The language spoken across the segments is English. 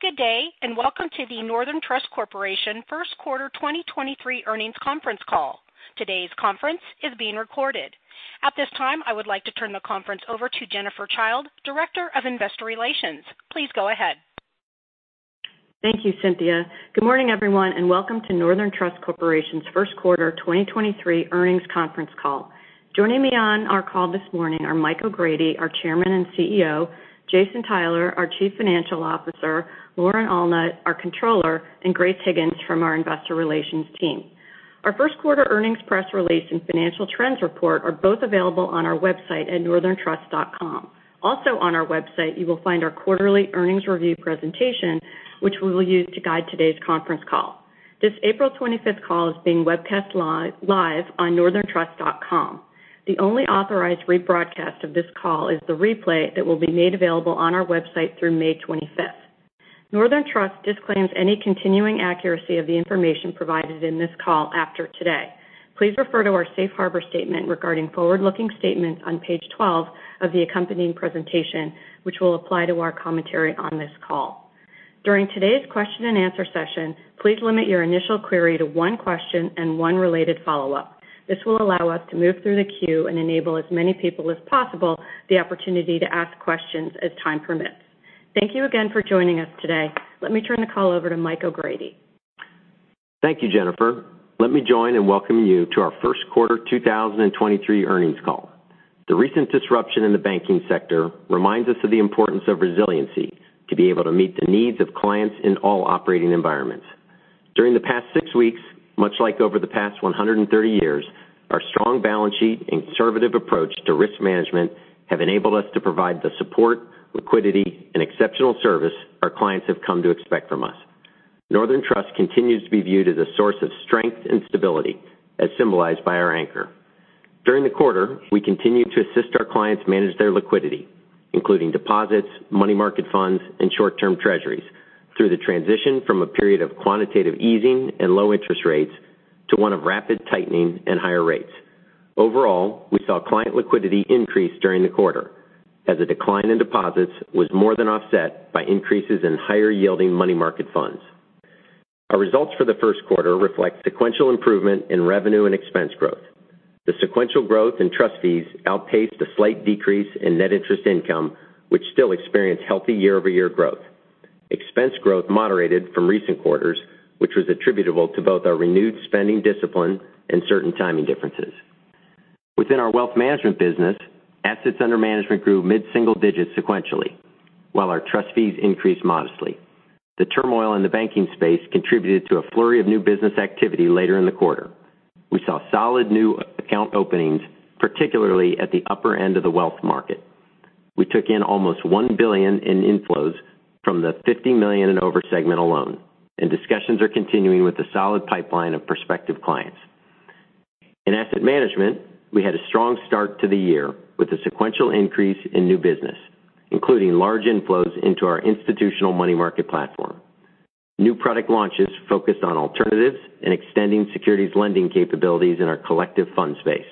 Good day, and welcome to the Northern Trust Corporation first quarter 2023 earnings conference call. Today's conference is being recorded. At this time, I would like to turn the conference over to Jennifer Childe, Director of Investor Relations. Please go ahead. Thank you, Cynthia. Good morning, everyone, and welcome to Northern Trust Corporation's first quarter 2023 earnings conference call. Joining me on our call this morning are Michael O'Grady, our Chairman and CEO, Jason Tyler, our Chief Financial Officer, Lauren Allnutt, our Controller, and Grace Higgins from our Investor Relations team. Our first quarter earnings press release and financial trends report are both available on our website at northerntrust.com. On our website, you will find our quarterly earnings review presentation, which we will use to guide today's conference call. This April 25th call is being webcast live on northerntrust.com. The only authorized rebroadcast of this call is the replay that will be made available on our website through May 25th. Northern Trust disclaims any continuing accuracy of the information provided in this call after today. Please refer to our safe harbor statement regarding forward-looking statements on page 12 of the accompanying presentation, which will apply to our commentary on this call. During today's question-and-answer session, please limit your initial query to one question and one related follow-up. This will allow us to move through the queue and enable as many people as possible the opportunity to ask questions as time permits. Thank you again for joining us today. Let me turn the call over to Michael O'Grady. Thank you, Jennifer. Let me join in welcoming you to our first quarter 2023 earnings call. The recent disruption in the banking sector reminds us of the importance of resiliency to be able to meet the needs of clients in all operating environments. During the past six weeks, much like over the past 130 years, our strong balance sheet and conservative approach to risk management have enabled us to provide the support, liquidity, and exceptional service our clients have come to expect from us. Northern Trust continues to be viewed as a source of strength and stability, as symbolized by our anchor. During the quarter, we continued to assist our clients manage their liquidity, including deposits, money market funds, and short-term treasuries through the transition from a period of quantitative easing and low interest rates to one of rapid tightening and higher rates. Overall, we saw client liquidity increase during the quarter as a decline in deposits was more than offset by increases in higher-yielding money market funds. Our results for the first quarter reflect sequential improvement in revenue and expense growth. The sequential growth in trust fees outpaced a slight decrease in net interest income, which still experienced healthy year-over-year growth. Expense growth moderated from recent quarters, which was attributable to both our renewed spending discipline and certain timing differences. Within our wealth management business, assets under management grew mid-single digits sequentially, while our trust fees increased modestly. The turmoil in the banking space contributed to a flurry of new business activity later in the quarter. We saw solid new account openings, particularly at the upper end of the wealth market. We took in almost $1 billion in inflows from the $50 million and over segment alone. Discussions are continuing with a solid pipeline of prospective clients. In asset management, we had a strong start to the year with a sequential increase in new business, including large inflows into our institutional money market platform. New product launches focused on alternatives and extending securities lending capabilities in our collective fund space,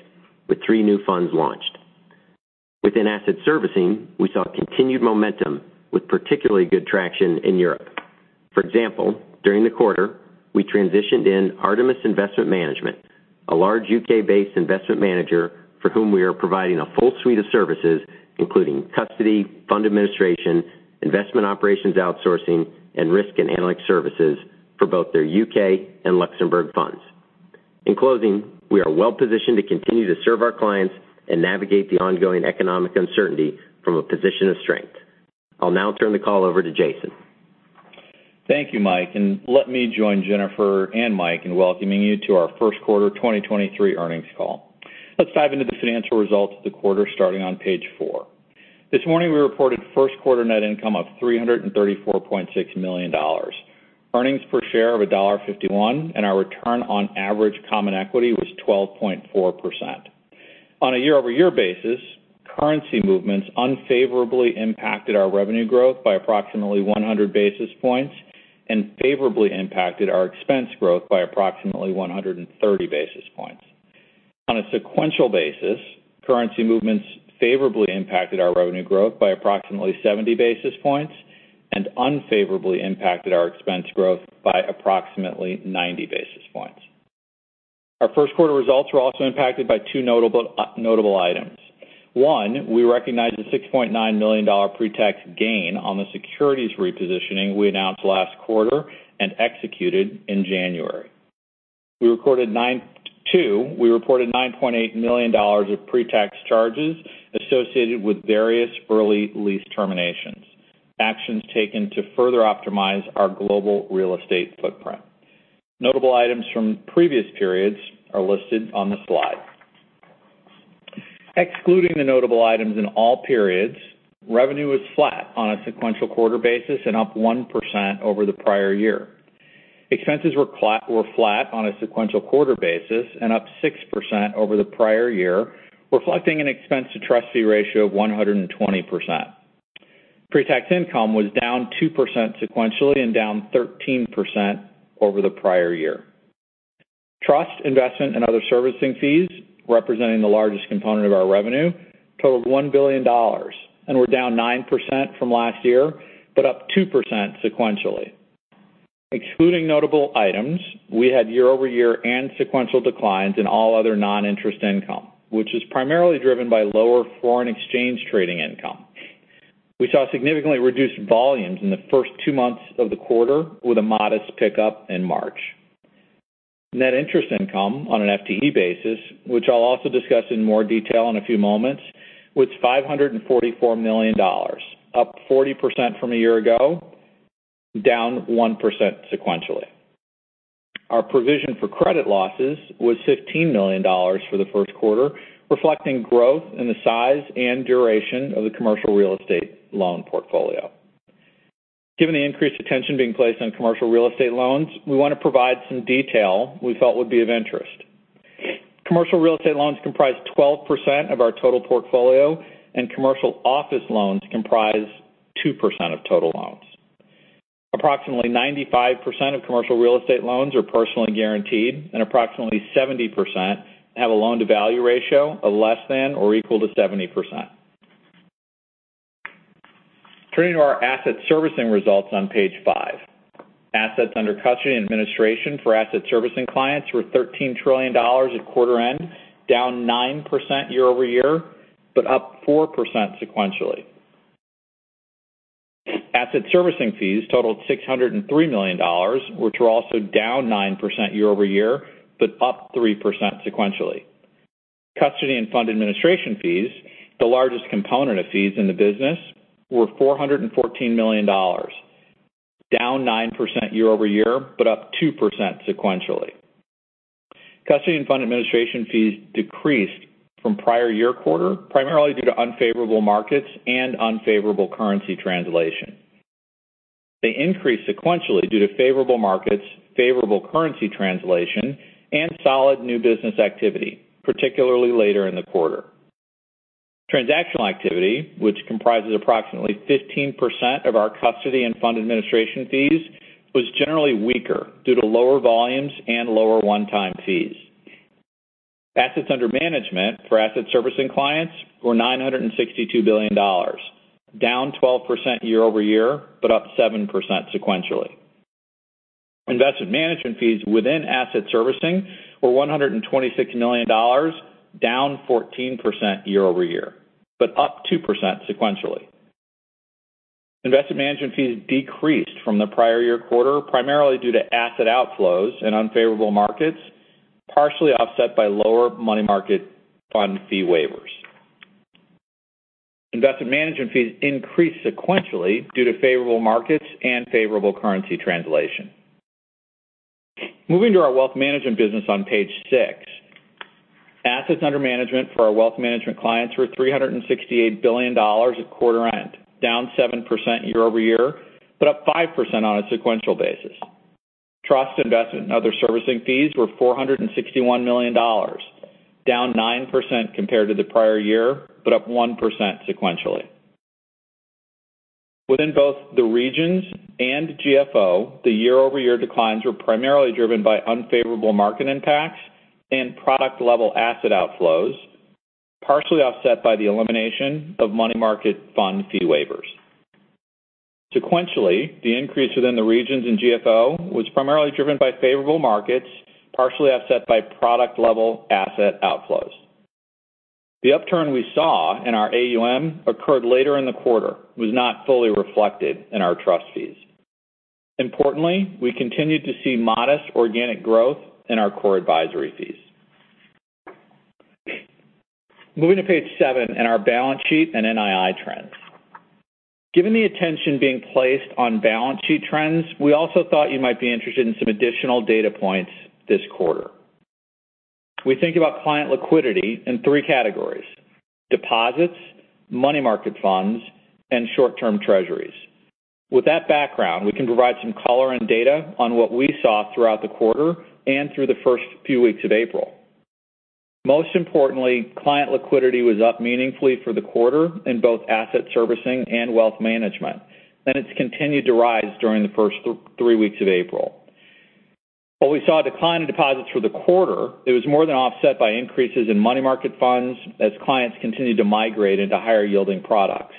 with three new funds launched. Within asset servicing, we saw continued momentum with particularly good traction in Europe. For example, during the quarter, we transitioned in Artemis Investment Management, a large U.K.-based investment manager for whom we are providing a full suite of services, including custody, fund administration, investment operations outsourcing, and risk and analytics services for both their U.K. and Luxembourg funds. In closing, we are well-positioned to continue to serve our clients and navigate the ongoing economic uncertainty from a position of strength. I'll now turn the call over to Jason. Thank you, Mike, and let me join Jennifer and Mike in welcoming you to our first quarter 2023 earnings call. Let's dive into the financial results of the quarter starting on page 4. This morning, we reported first quarter net income of $334.6 million, earnings per share of $1.51, and our return on average common equity was 12.4%. On a year-over-year basis, currency movements unfavorably impacted our revenue growth by approximately 100 basis points and favorably impacted our expense growth by approximately 130 basis points. On a sequential basis, currency movements favorably impacted our revenue growth by approximately 70 basis points and unfavorably impacted our expense growth by approximately 90 basis points. Our first quarter results were also impacted by two notable items. One, we recognized a $6.9 million pre-tax gain on the securities repositioning we announced last quarter and executed in January. Two, we reported $9.8 million of pre-tax charges associated with various early lease terminations, actions taken to further optimize our global real estate footprint. Notable items from previous periods are listed on the slide. Excluding the notable items in all periods, revenue was flat on a sequential quarter basis and up 1% over the prior year. Expenses were flat on a sequential quarter basis and up 6% over the prior year, reflecting an expense-to-trust fee ratio of 120%. Pre-tax income was down 2% sequentially and down 13% over the prior year. Trust, investment, and other servicing fees, representing the largest component of our revenue, totaled $1 billion and were down 9% from last year, but up 2% sequentially. Excluding notable items, we had year-over-year and sequential declines in all other non-interest income, which is primarily driven by lower foreign exchange trading income. We saw significantly reduced volumes in the first two months of the quarter with a modest pickup in March. Net interest income on an FTE basis, which I'll also discuss in more detail in a few moments, was $544 million, up 40% from a year ago, down 1% sequentially. Our provision for credit losses was $15 million for the first quarter, reflecting growth in the size and duration of the commercial real estate loan portfolio. Given the increased attention being placed on commercial real estate loans, we want to provide some detail we felt would be of interest. Commercial real estate loans comprise 12% of our total portfolio, and commercial office loans comprise 2% of total loans. Approximately 95% of commercial real estate loans are personally guaranteed, and approximately 70% have a loan-to-value ratio of less than or equal to 70%. Turning to our asset servicing results on page 5. Assets under custody and administration for asset servicing clients were $13 trillion at quarter end, down 9% year-over-year, but up 4% sequentially. Asset servicing fees totaled $603 million, which were also down 9% year-over-year, but up 3% sequentially. Custody and fund administration fees, the largest component of fees in the business, were $414 million, down 9% year-over-year, up 2% sequentially. Custody and fund administration fees decreased from prior year quarter, primarily due to unfavorable markets and unfavorable currency translation. They increased sequentially due to favorable markets, favorable currency translation, and solid new business activity, particularly later in the quarter. Transactional activity, which comprises approximately 15% of our custody and fund administration fees, was generally weaker due to lower volumes and lower one-time fees. Assets under management for asset servicing clients were $962 billion, down 12% year-over-year, up 7% sequentially. Investment management fees within asset servicing were $126 million, down 14% year-over-year, up 2% sequentially. Investment management fees decreased from the prior year quarter, primarily due to asset outflows in unfavorable markets, partially offset by lower money market fund fee waivers. Investment management fees increased sequentially due to favorable markets and favorable currency translation. Moving to our wealth management business on page 6. Assets under management for our wealth management clients were $368 billion at quarter end, down 7% year-over-year, but up 5% on a sequential basis. Trust investment, and other servicing fees were $461 million, down 9% compared to the prior year, but up 1% sequentially. Within both the regions and GFO, the year-over-year declines were primarily driven by unfavorable market impacts and product-level asset outflows, partially offset by the elimination of money market fund fee waivers. Sequentially, the increase within the regions in GFO was primarily driven by favorable markets, partially offset by product-level asset outflows. The upturn we saw in our AUM occurred later in the quarter, was not fully reflected in our trust fees. Importantly, we continued to see modest organic growth in our core advisory fees. Moving to page 7 in our balance sheet and NII trends. Given the attention being placed on balance sheet trends, we also thought you might be interested in some additional data points this quarter. We think about client liquidity in three categories: deposits, money market funds, and short-term treasuries. With that background, we can provide some color and data on what we saw throughout the quarter and through the first few weeks of April. Most importantly, client liquidity was up meaningfully for the quarter in both asset servicing and wealth management, and it's continued to rise during the first three weeks of April. While we saw a decline in deposits for the quarter, it was more than offset by increases in money market funds as clients continued to migrate into higher-yielding products.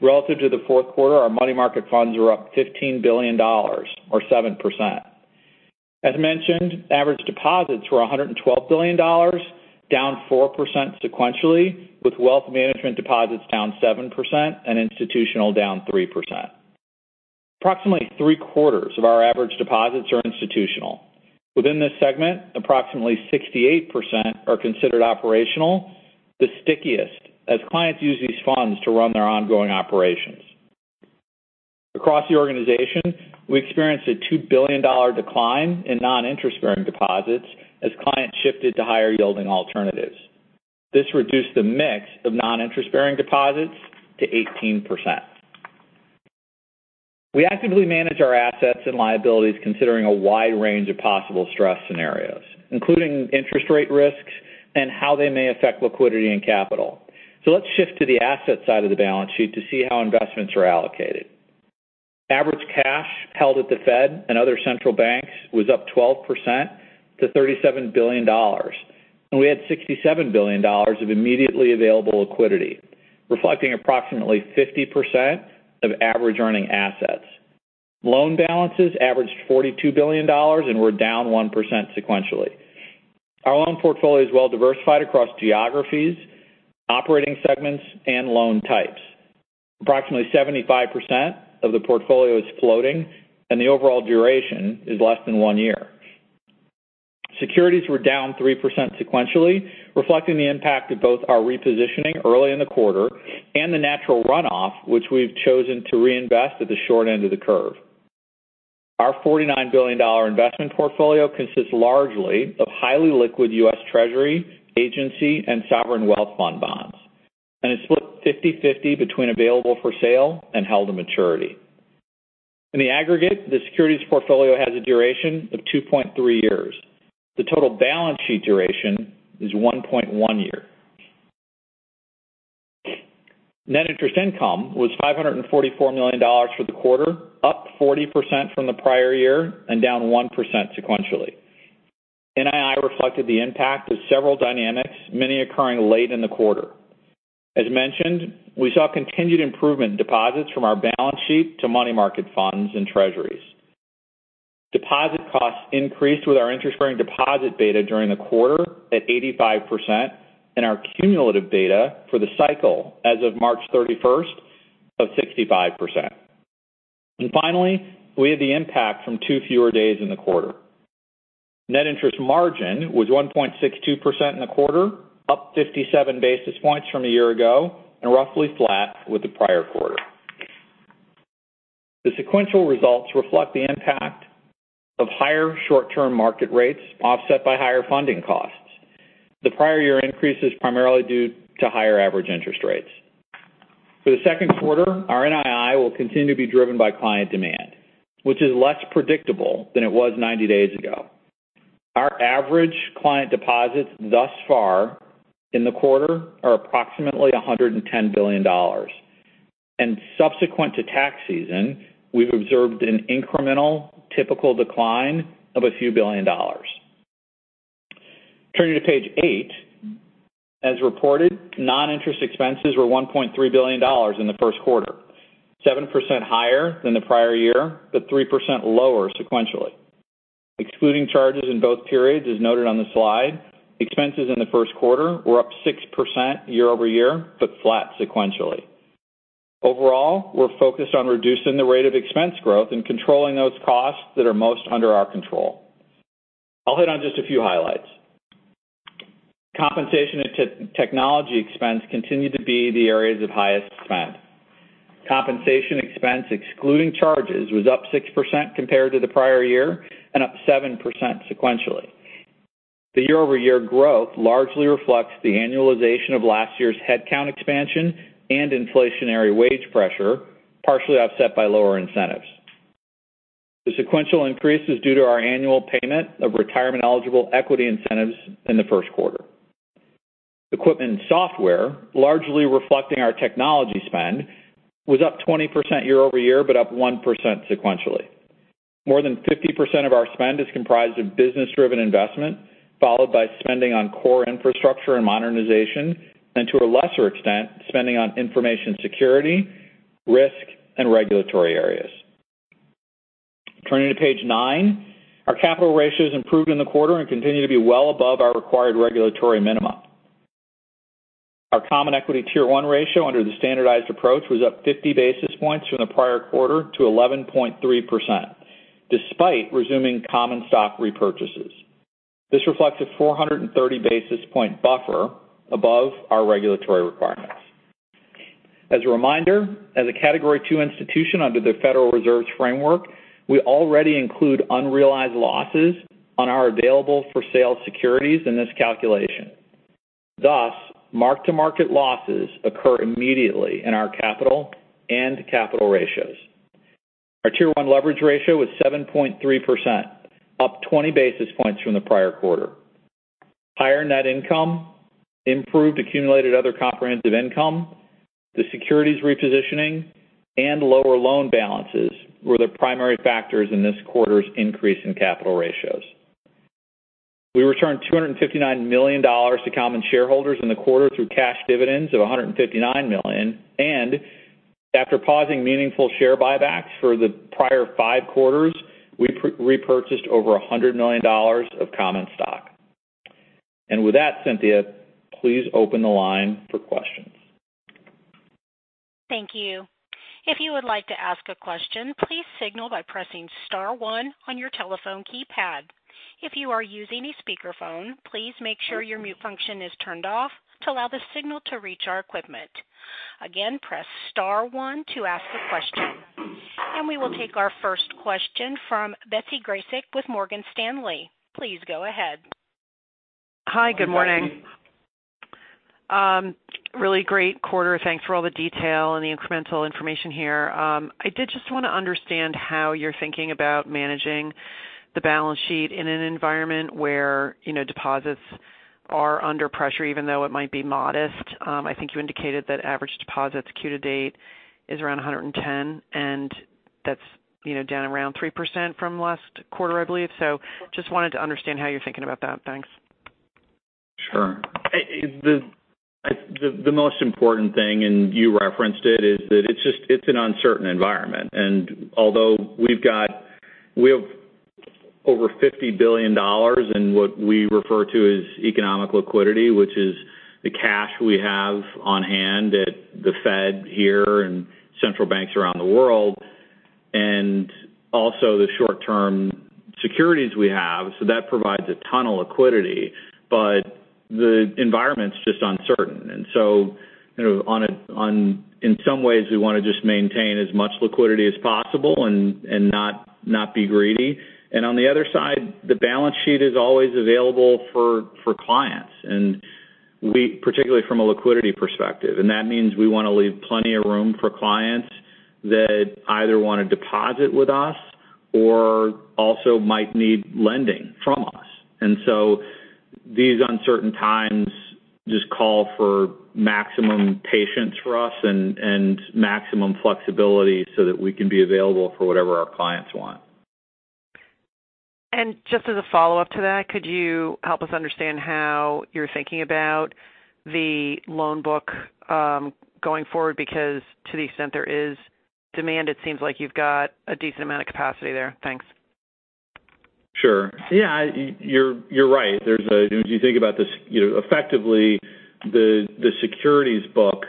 Relative to the fourth quarter, our money market funds were up $15 billion or 7%. As mentioned, average deposits were $112 billion, down 4% sequentially, with wealth management deposits down 7% and institutional down 3%. Approximately three quarters of our average deposits are institutional. Within this segment, approximately 68% are considered operational, the stickiest, as clients use these funds to run their ongoing operations. Across the organization, we experienced a $2 billion decline in non-interest-bearing deposits as clients shifted to higher-yielding alternatives. This reduced the mix of non-interest-bearing deposits to 18%. We actively manage our assets and liabilities considering a wide range of possible stress scenarios, including interest rate risks and how they may affect liquidity and capital. Let's shift to the asset side of the balance sheet to see how investments are allocated. Average cash held at the Fed and other central banks was up 12% to $37 billion. We had $67 billion of immediately available liquidity, reflecting approximately 50% of average earning assets. Loan balances averaged $42 billion, we're down 1% sequentially. Our loan portfolio is well diversified across geographies, operating segments, and loan types. Approximately 75% of the portfolio is floating, the overall duration is less than one year. Securities were down 3% sequentially, reflecting the impact of both our repositioning early in the quarter and the natural runoff, which we've chosen to reinvest at the short end of the curve. Our $49 billion investment portfolio consists largely of highly liquid U.S. Treasury, agency, and sovereign wealth fund bonds, and it's split 50/50 between available for sale and held to maturity. In the aggregate, the securities portfolio has a duration of 2.3 years. The total balance sheet duration is 1.1 year. Net interest income was $544 million for the quarter, up 40% from the prior year and down 1% sequentially. NII reflected the impact of several dynamics, many occurring late in the quarter. As mentioned, we saw continued improvement in deposits from our balance sheet to money market funds and treasuries. Deposit costs increased with our interest-bearing deposit beta during the quarter at 85% and our cumulative beta for the cycle as of March 31st of 65%. Finally, we had the impact from two fewer days in the quarter. Net interest margin was 1.62% in the quarter, up 57 basis points from a year ago and roughly flat with the prior quarter. The sequential results reflect the impact of higher short-term market rates offset by higher funding costs. The prior year increase is primarily due to higher average interest rates. For the second quarter, our NII will continue to be driven by client demand, which is less predictable than it was 90 days ago. Our average client deposits thus far in the quarter are approximately $110 billion. Subsequent to tax season, we've observed an incremental typical decline of a few billion dollars. Turning to page 8. As reported, non-interest expenses were $1.3 billion in the first quarter, 7% higher than the prior year, but 3% lower sequentially. Excluding charges in both periods, as noted on the slide, expenses in the first quarter were up 6% year-over-year, but flat sequentially. Overall, we're focused on reducing the rate of expense growth and controlling those costs that are most under our control. I'll hit on just a few highlights. Compensation and technology expense continue to be the areas of highest spend. Compensation expense, excluding charges, was up 6% compared to the prior year and up 7% sequentially. The year-over-year growth largely reflects the annualization of last year's headcount expansion and inflationary wage pressure, partially offset by lower incentives. The sequential increase is due to our annual payment of retirement-eligible equity incentives in the first quarter. Equipment and software, largely reflecting our technology spend, was up 20% year-over-year, but up 1% sequentially. More than 50% of our spend is comprised of business-driven investment, followed by spending on core infrastructure and modernization, and to a lesser extent, spending on information security, risk, and regulatory areas. Turning to page 9. Our capital ratios improved in the quarter and continue to be well above our required regulatory minimum. Our Common Equity Tier 1 ratio under the standardized approach was up 50 basis points from the prior quarter to 11.3%, despite resuming common stock repurchases. This reflects a 430 basis point buffer above our regulatory requirements. As a reminder, as a Category II institution under the Federal Reserve's framework, we already include unrealized losses on our available for sale securities in this calculation. Thus, mark-to-market losses occur immediately in our capital and capital ratios. Our Tier 1 leverage ratio was 7.3%, up 20 basis points from the prior quarter. Higher net income, improved accumulated other comprehensive income, the securities repositioning, and lower loan balances were the primary factors in this quarter's increase in capital ratios. We returned $259 million to common shareholders in the quarter through cash dividends of $159 million. After pausing meaningful share buybacks for the prior five quarters, we repurchased over $100 million of common stock. With that, Cynthia, please open the line for questions. Thank you. If you would like to ask a question, please signal by pressing star one on your telephone keypad. If you are using a speakerphone, please make sure your mute function is turned off to allow the signal to reach our equipment. Again, press star one to ask a question. We will take our first question from Betsy Graseck with Morgan Stanley. Please go ahead. Hi, good morning. Really great quarter. Thanks for all the detail and the incremental information here. I did just want to understand how you're thinking about managing the balance sheet in an environment where, you know, deposits. Are under pressure, even though it might be modest. I think you indicated that average deposits quarter-to-date is around 110, and that's, you know, down around 3% from last quarter, I believe. Just wanted to understand how you're thinking about that. Thanks. Sure. The, the most important thing, and you referenced it, is that it's an uncertain environment. Although we have over $50 billion in what we refer to as economic liquidity, which is the cash we have on hand at the Fed here and central banks around the world, and also the short-term securities we have, so that provides a ton of liquidity, but the environment's just uncertain. In some ways, we want to just maintain as much liquidity as possible and not be greedy. On the other side, the balance sheet is always available for clients, particularly from a liquidity perspective. That means we want to leave plenty of room for clients that either want to deposit with us or also might need lending from us. These uncertain times just call for maximum patience for us and maximum flexibility so that we can be available for whatever our clients want. Just as a follow-up to that, could you help us understand how you're thinking about the loan book, going forward? To the extent there is demand, it seems like you've got a decent amount of capacity there. Thanks. Yeah, you're right. There's if you think about this, you know, effectively, the securities book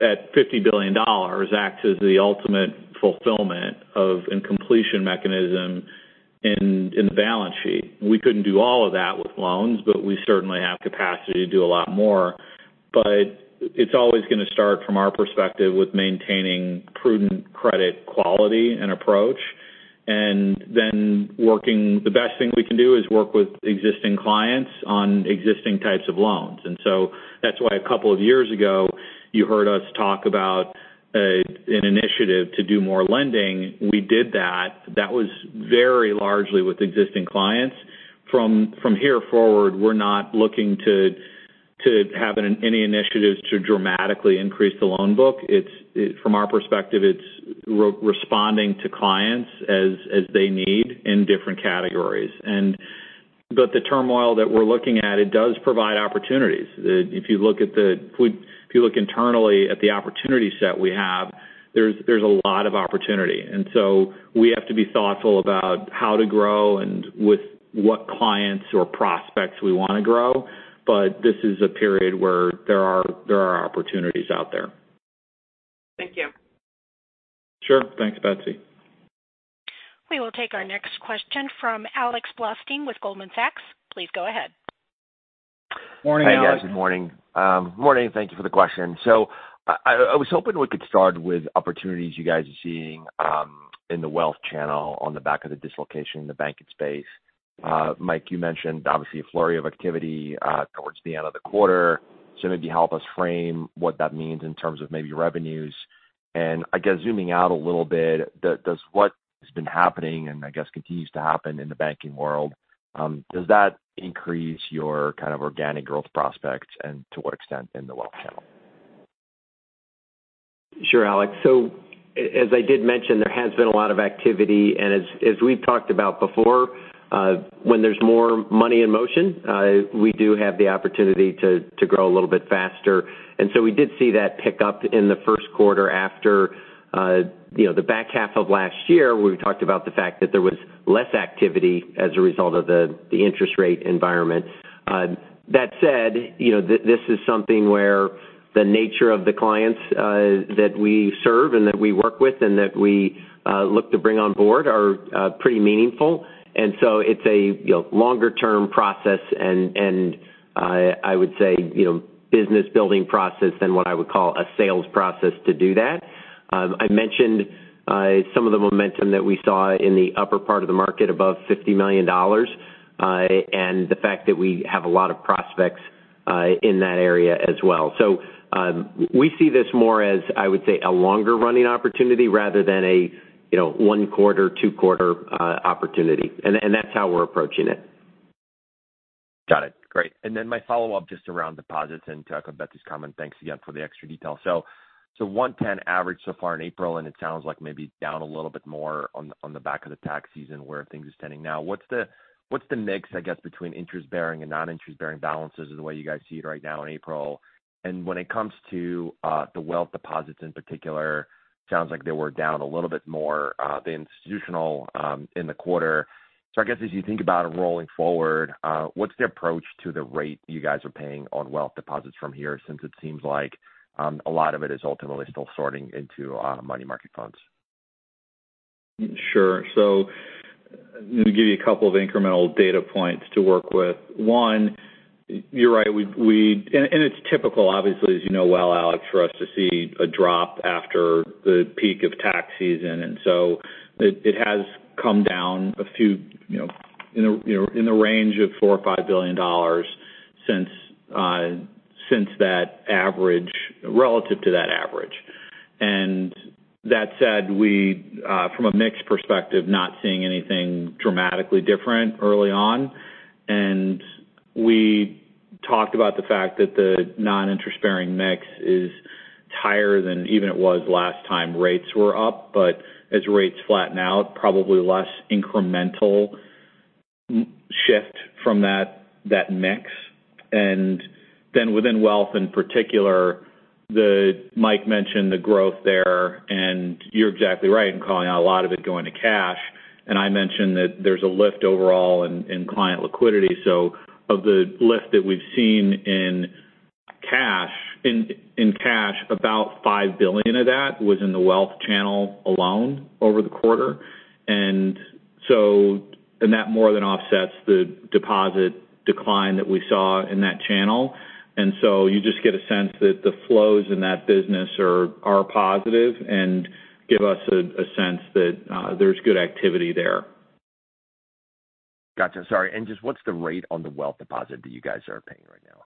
at $50 billion acts as the ultimate fulfillment of and completion mechanism in the balance sheet. We couldn't do all of that with loans, but we certainly have capacity to do a lot more. It's always going to start from our perspective with maintaining prudent credit quality and approach, and then working. The best thing we can do is work with existing clients on existing types of loans. That's why a couple of years ago, you heard us talk about an initiative to do more lending. We did that. That was very largely with existing clients. From here forward, we're not looking to have any initiatives to dramatically increase the loan book. From our perspective, it's re-responding to clients as they need in different categories. But the turmoil that we're looking at, it does provide opportunities. If you look internally at the opportunity set we have, there's a lot of opportunity. So we have to be thoughtful about how to grow and with what clients or prospects we want to grow. This is a period where there are opportunities out there. Thank you. Sure. Thanks, Betsy. We will take our next question from Alex Blostein with Goldman Sachs. Please go ahead. Morning, Alex. Hi, guys. Good morning. Good morning, thank you for the question. I was hoping we could start with opportunities you guys are seeing in the wealth channel on the back of the dislocation in the banking space. Mike, you mentioned obviously a flurry of activity towards the end of the quarter. Maybe help us frame what that means in terms of maybe revenues. I guess zooming out a little bit, does what has been happening and I guess continues to happen in the banking world, does that increase your kind of organic growth prospects, and to what extent in the wealth channel? Sure, Alex. As I did mention, there has been a lot of activity. As we've talked about before, when there's more money in motion, we do have the opportunity to grow a little bit faster. So we did see that pick up in the first quarter after, you know, the back half of last year, where we talked about the fact that there was less activity as a result of the interest rate environment. That said, you know, this is something where the nature of the clients, that we serve and that we work with and that we look to bring on board are pretty meaningful. So it's a, you know, longer-term process and I would say, you know, business building process than what I would call a sales process to do that. I mentioned some of the momentum that we saw in the upper part of the market above $50 million, and the fact that we have a lot of prospects in that area as well. We see this more as, I would say, a longer-running opportunity rather than a, you know, one-quarter, two-quarter opportunity. That's how we're approaching it. Got it. Great. My follow-up just around deposits and to Betsy's comment, thanks again for the extra detail. 110 average so far in April, and it sounds like maybe down a little bit more on the back of the tax season where things are standing now. What's the mix, I guess, between interest-bearing and non-interest-bearing balances the way you guys see it right now in April? When it comes to the wealth deposits in particular, sounds like they were down a little bit more than institutional in the quarter. I guess as you think about it rolling forward, what's the approach to the rate you guys are paying on wealth deposits from here, since it seems like a lot of it is ultimately still sorting into money market funds? Sure. Let me give you a couple of incremental data points to work with. One, you're right, we. It's typical, obviously, as you know well, Alex, for us to see a drop after the peak of tax season. It has come down a few in the range of $4 billion-$5 billion since relative to that average. That said, we from a mix perspective, not seeing anything dramatically different early on. We talked about the fact that the non-interest-bearing mix is higher than even it was last time rates were up. As rates flatten out, probably less incremental shift from that mix. Within wealth in particular, Mike mentioned the growth there, and you're exactly right in calling out a lot of it going to cash. I mentioned that there's a lift overall in client liquidity. Of the lift that we've seen in cash, in cash, about $5 billion of that was in the wealth channel alone over the quarter. That more than offsets the deposit decline that we saw in that channel. You just get a sense that the flows in that business are positive and give us a sense that there's good activity there. Gotcha. Sorry. Just what's the rate on the wealth deposit that you guys are paying right now?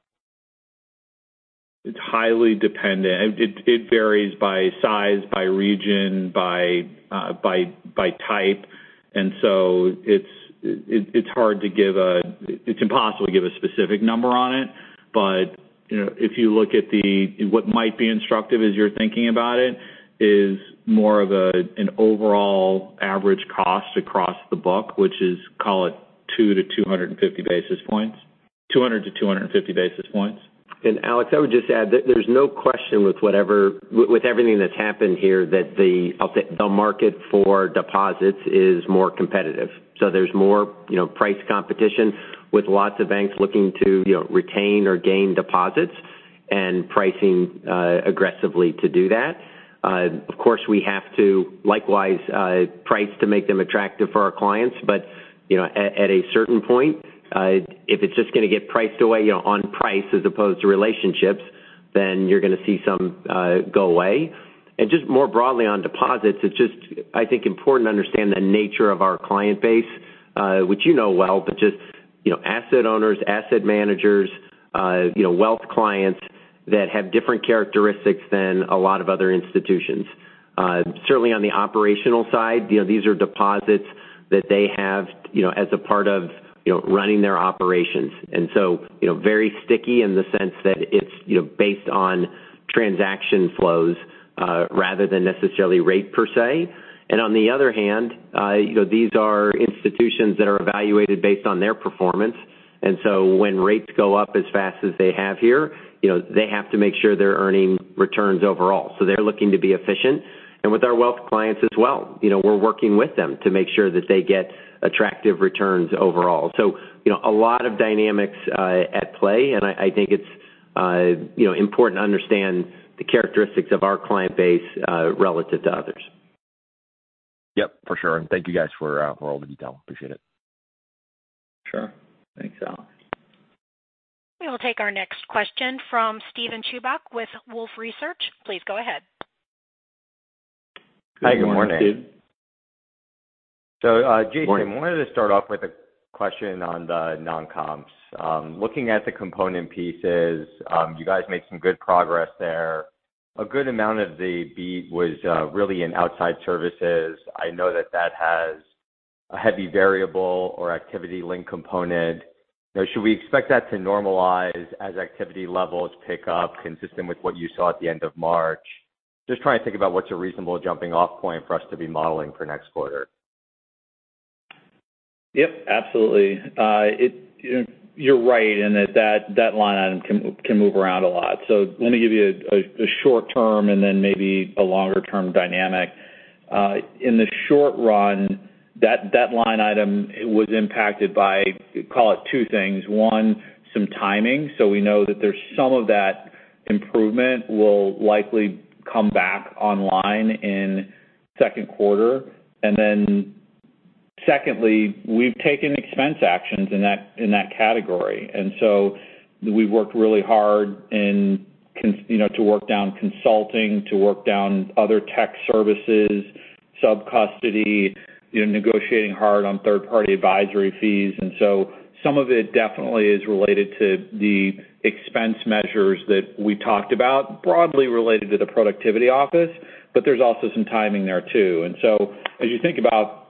It's highly dependent. It varies by size, by region, by type. It's impossible to give a specific number on it. You know, what might be instructive as you're thinking about it is more of an overall average cost across the book, which is, call it 200-250 basis points. Alex, I would just add that there's no question with everything that's happened here, that the, I'll say, the market for deposits is more competitive. There's more, you know, price competition with lots of banks looking to, you know, retain or gain deposits and pricing aggressively to do that. Of course, we have to likewise price to make them attractive for our clients. You know, at a certain point, if it's just gonna get priced away, you know, on price as opposed to relationships, then you're gonna see some go away. Just more broadly on deposits, it's just, I think, important to understand the nature of our client base, which you know well, but just, you know, asset owners, asset managers, you know, wealth clients that have different characteristics than a lot of other institutions. Certainly on the operational side, you know, these are deposits that they have, you know, as a part of, you know, running their operations. Very sticky in the sense that it's, you know, based on transaction flows, rather than necessarily rate per se. On the other hand, you know, these are institutions that are evaluated based on their performance. When rates go up as fast as they have here, you know, they have to make sure they're earning returns overall. They're looking to be efficient. With our wealth clients as well, you know, we're working with them to make sure that they get attractive returns overall. A lot of dynamics at play, and I think it's, you know, important to understand the characteristics of our client base, relative to others. Yep, for sure. Thank you guys for all the detail. Appreciate it. Sure. Thanks, Alex. We will take our next question from Steven Chubak with Wolfe Research. Please go ahead. Hi, good morning. Good morning, Steve and Jason. Morning. I wanted to start off with a question on the non-comps. Looking at the component pieces, you guys made some good progress there. A good amount of the beat was really in outside services. I know that that has a heavy variable or activity link component. Should we expect that to normalize as activity levels pick up consistent with what you saw at the end of March? Just trying to think about what's a reasonable jumping-off point for us to be modeling for next quarter. Yep, absolutely. You're right in that line item can move around a lot. Let me give you a short term and then maybe a longer-term dynamic. In the short run, that line item was impacted by, call it two things. One, some timing. We know that there's some of that improvement will likely come back online in second quarter. Secondly, we've taken expense actions in that category. We've worked really hard you know, to work down consulting, to work down other tech services, subcustody, you know, negotiating hard on third-party advisory fees. Some of it definitely is related to the expense measures that we talked about, broadly related to the productivity office, but there's also some timing there too. As you think about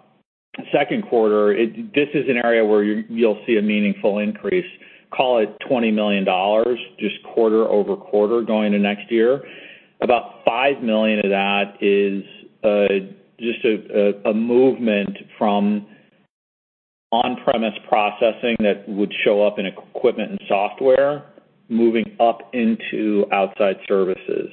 second quarter, this is an area where you'll see a meaningful increase, call it $20 million, just quarter-over-quarter going to next year. About $5 million of that is just a movement from on-premise processing that would show up in equipment and software moving up into outside services.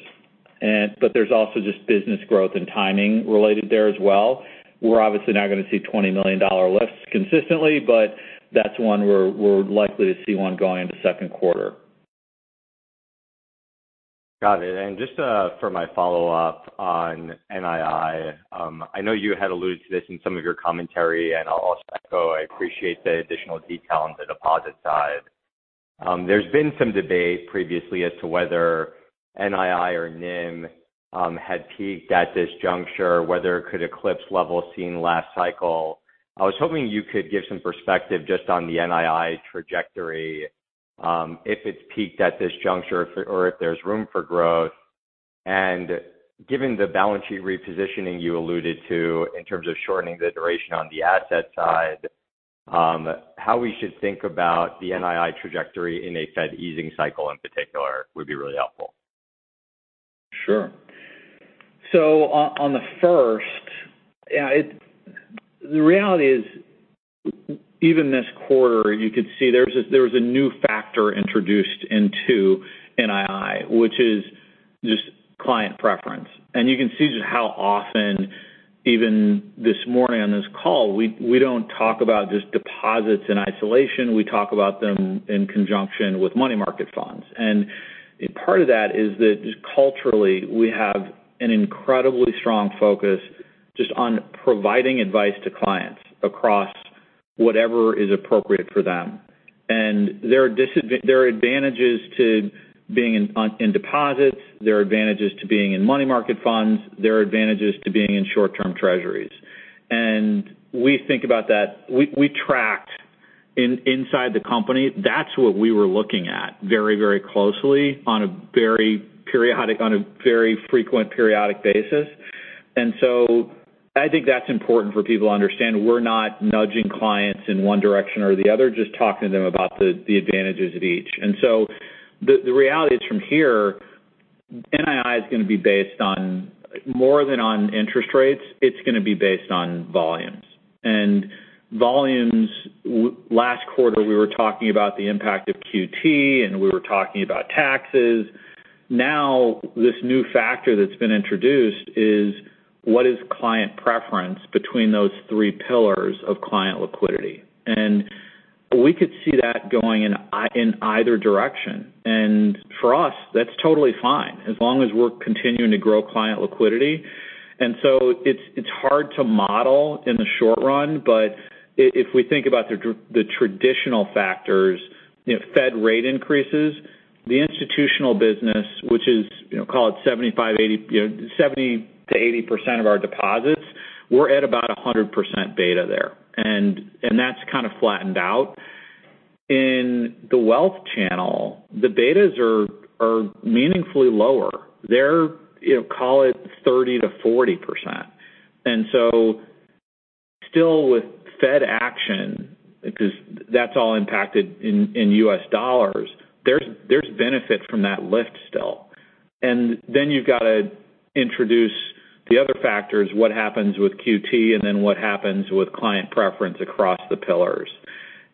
But there's also just business growth and timing related there as well. We're obviously not gonna see $20 million lifts consistently, but that's one we're likely to see one going into second quarter. Got it. Just for my follow-up on NII, I know you had alluded to this in some of your commentary, and I'll also echo I appreciate the additional detail on the deposit side. There's been some debate previously as to whether NII or NIM had peaked at this juncture, whether it could eclipse levels seen last cycle. I was hoping you could give some perspective just on the NII trajectory If it's peaked at this juncture if or if there's room for growth. Given the balance sheet repositioning you alluded to in terms of shortening the duration on the asset side, how we should think about the NII trajectory in a Fed easing cycle in particular would be really helpful. Sure. On the first, yeah, the reality is, even this quarter, you could see there's a new factor introduced into NII, which is just client preference. You can see just how often, even this morning on this call, we don't talk about just deposits in isolation. We talk about them in conjunction with money market funds. Part of that is that just culturally, we have an incredibly strong focus just on providing advice to clients across whatever is appropriate for them. There are advantages to being in deposits. There are advantages to being in money market funds. There are advantages to being in short-term treasuries. We think about that. We tracked inside the company. That's what we were looking at very, very closely on a very periodic, on a very frequent periodic basis. I think that's important for people to understand. We're not nudging clients in one direction or the other, just talking to them about the advantages of each. The reality is from here, NII is gonna be based on more than on interest rates. It's gonna be based on volumes. Volumes, last quarter, we were talking about the impact of QT, and we were talking about taxes. Now, this new factor that's been introduced is what is client preference between those three pillars of client liquidity. We could see that going in either direction. For us, that's totally fine as long as we're continuing to grow client liquidity. It's hard to model in the short run, but if we think about the traditional factors, you know, Fed rate increases, the institutional business, which is, you know, call it 70% to 80% of our deposits, we're at about 100% beta there. That's kind of flattened out. In the wealth channel, the betas are meaningfully lower. They're, you know, call it 30%-40%. Still with Fed action, because that's all impacted in U.S. dollars, there's benefit from that lift still. You've got to introduce the other factors, what happens with QT and then what happens with client preference across the pillars.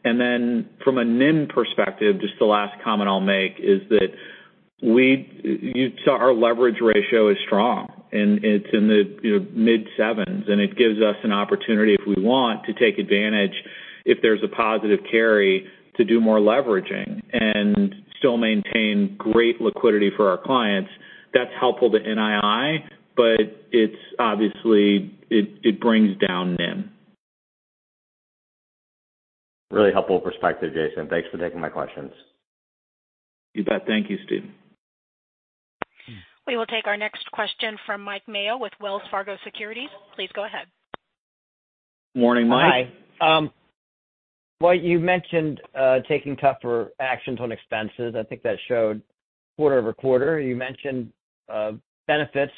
From a NIM perspective, just the last comment I'll make is that you saw our leverage ratio is strong, and it's in the, you know, mid-7s, and it gives us an opportunity if we want to take advantage if there's a positive carry to do more leveraging and still maintain great liquidity for our clients. That's helpful to NII, but it's obviously it brings down NIM. Really helpful perspective, Jason. Thanks for taking my questions. You bet. Thank you, Steven. We will take our next question from Mike Mayo with Wells Fargo Securities. Please go ahead. Morning, Mike. Hi. Well you mentioned taking tougher actions on expenses. I think that showed quarter-over-quarter. You mentioned benefits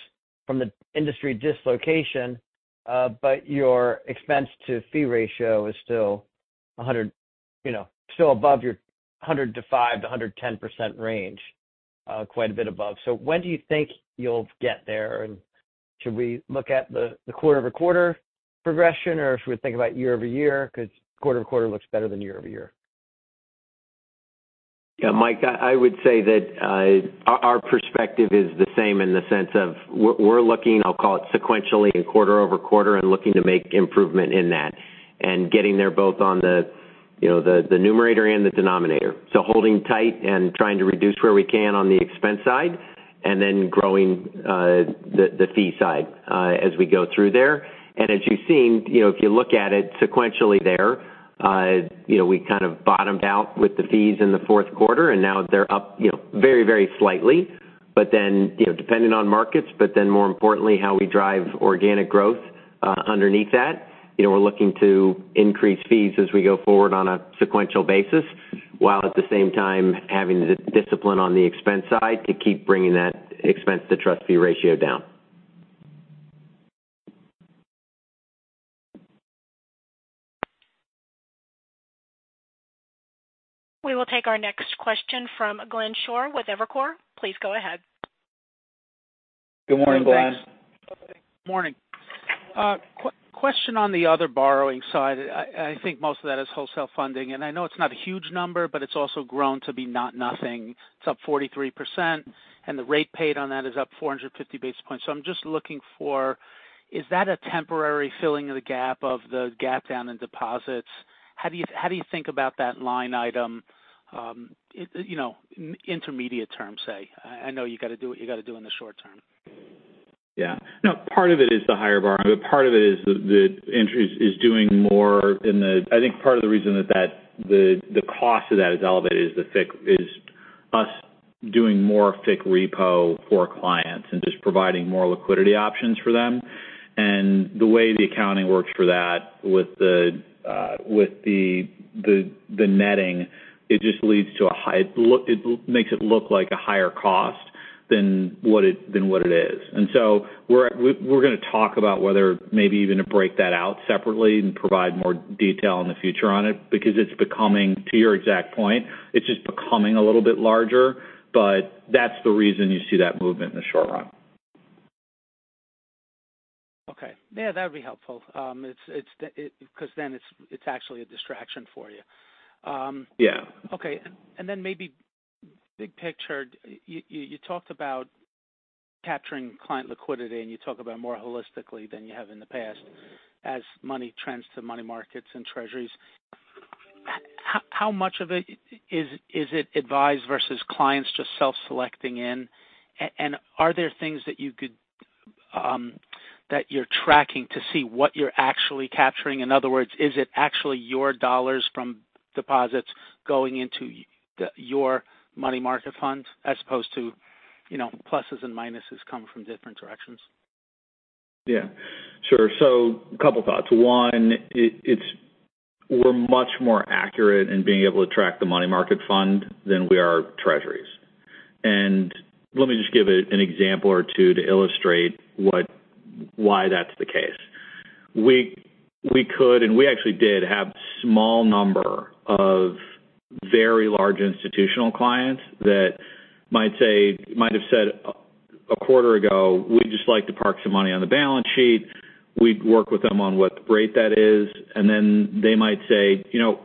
from the industry dislocation, but your expense-to-fee ratio is still, you know, still above your 105%-110% range, quite a bit above. When do you think you'll get there? Should we look at the quarter-over-quarter progression, or should we think about year-over-year? Because quarter-over-quarter looks better than year-over-year. Yeah, Mike, I would say that our perspective is the same in the sense of we're looking, I'll call it sequentially and quarter-over-quarter and looking to make improvement in that. Getting there both on the, you know, the numerator and the denominator. Holding tight and trying to reduce where we can on the expense side, and then growing the fee side as we go through there. As you've seen, you know, if you look at it sequentially there, you know, we kind of bottomed out with the fees in the fourth quarter, and now they're up, you know, very, very slightly. Depending on markets, but then more importantly, how we drive organic growth underneath that. You know, we're looking to increase fees as we go forward on a sequential basis, while at the same time having the discipline on the expense side to keep bringing that expense-to-trust fee ratio down. We will take our next question from Glenn Schorr with Evercore. Please go ahead. Good morning, Glenn. Morning. Question on the other borrowing side. I think most of that is wholesale funding, and I know it's not a huge number, but it's also grown to be not nothing. It's up 43%, and the rate paid on that is up 450 basis points. I'm just looking for, is that a temporary filling of the gap down in deposits? How do you, how do you think about that line item, you know, intermediate term, say? I know you gotta do what you gotta do in the short term. Yeah. No, part of it is the higher borrowing, but part of it is the interest is doing more in the... I think part of the reason that the cost of that is elevated is us doing more FICC repo for clients and just providing more liquidity options for them. The way the accounting works for that with the, the netting, it just makes it look like a higher cost than what it is. We're gonna talk about whether maybe even to break that out separately and provide more detail in the future on it because it's becoming, to your exact point, it's just becoming a little bit larger, but that's the reason you see that movement in the short run. Yeah, that'd be helpful. it's because then it's actually a distraction for you. Yeah. Okay. Then maybe big picture, you talked about capturing client liquidity, and you talk about more holistically than you have in the past as money trends to money markets and treasuries. How much of it is it advised versus clients just self-selecting in? And are there things that you could that you're tracking to see what you're actually capturing? In other words, is it actually your dollars from deposits going into your money market funds as opposed to, you know, pluses and minuses coming from different directions? Yeah, sure. A couple thoughts. One, it's we're much more accurate in being able to track the money market fund than we are treasuries. Let me just give an example or two to illustrate why that's the case. We could, and we actually did, have small number of very large institutional clients that might have said a quarter ago, "We'd just like to park some money on the balance sheet." We'd work with them on what rate that is, then they might say, you know,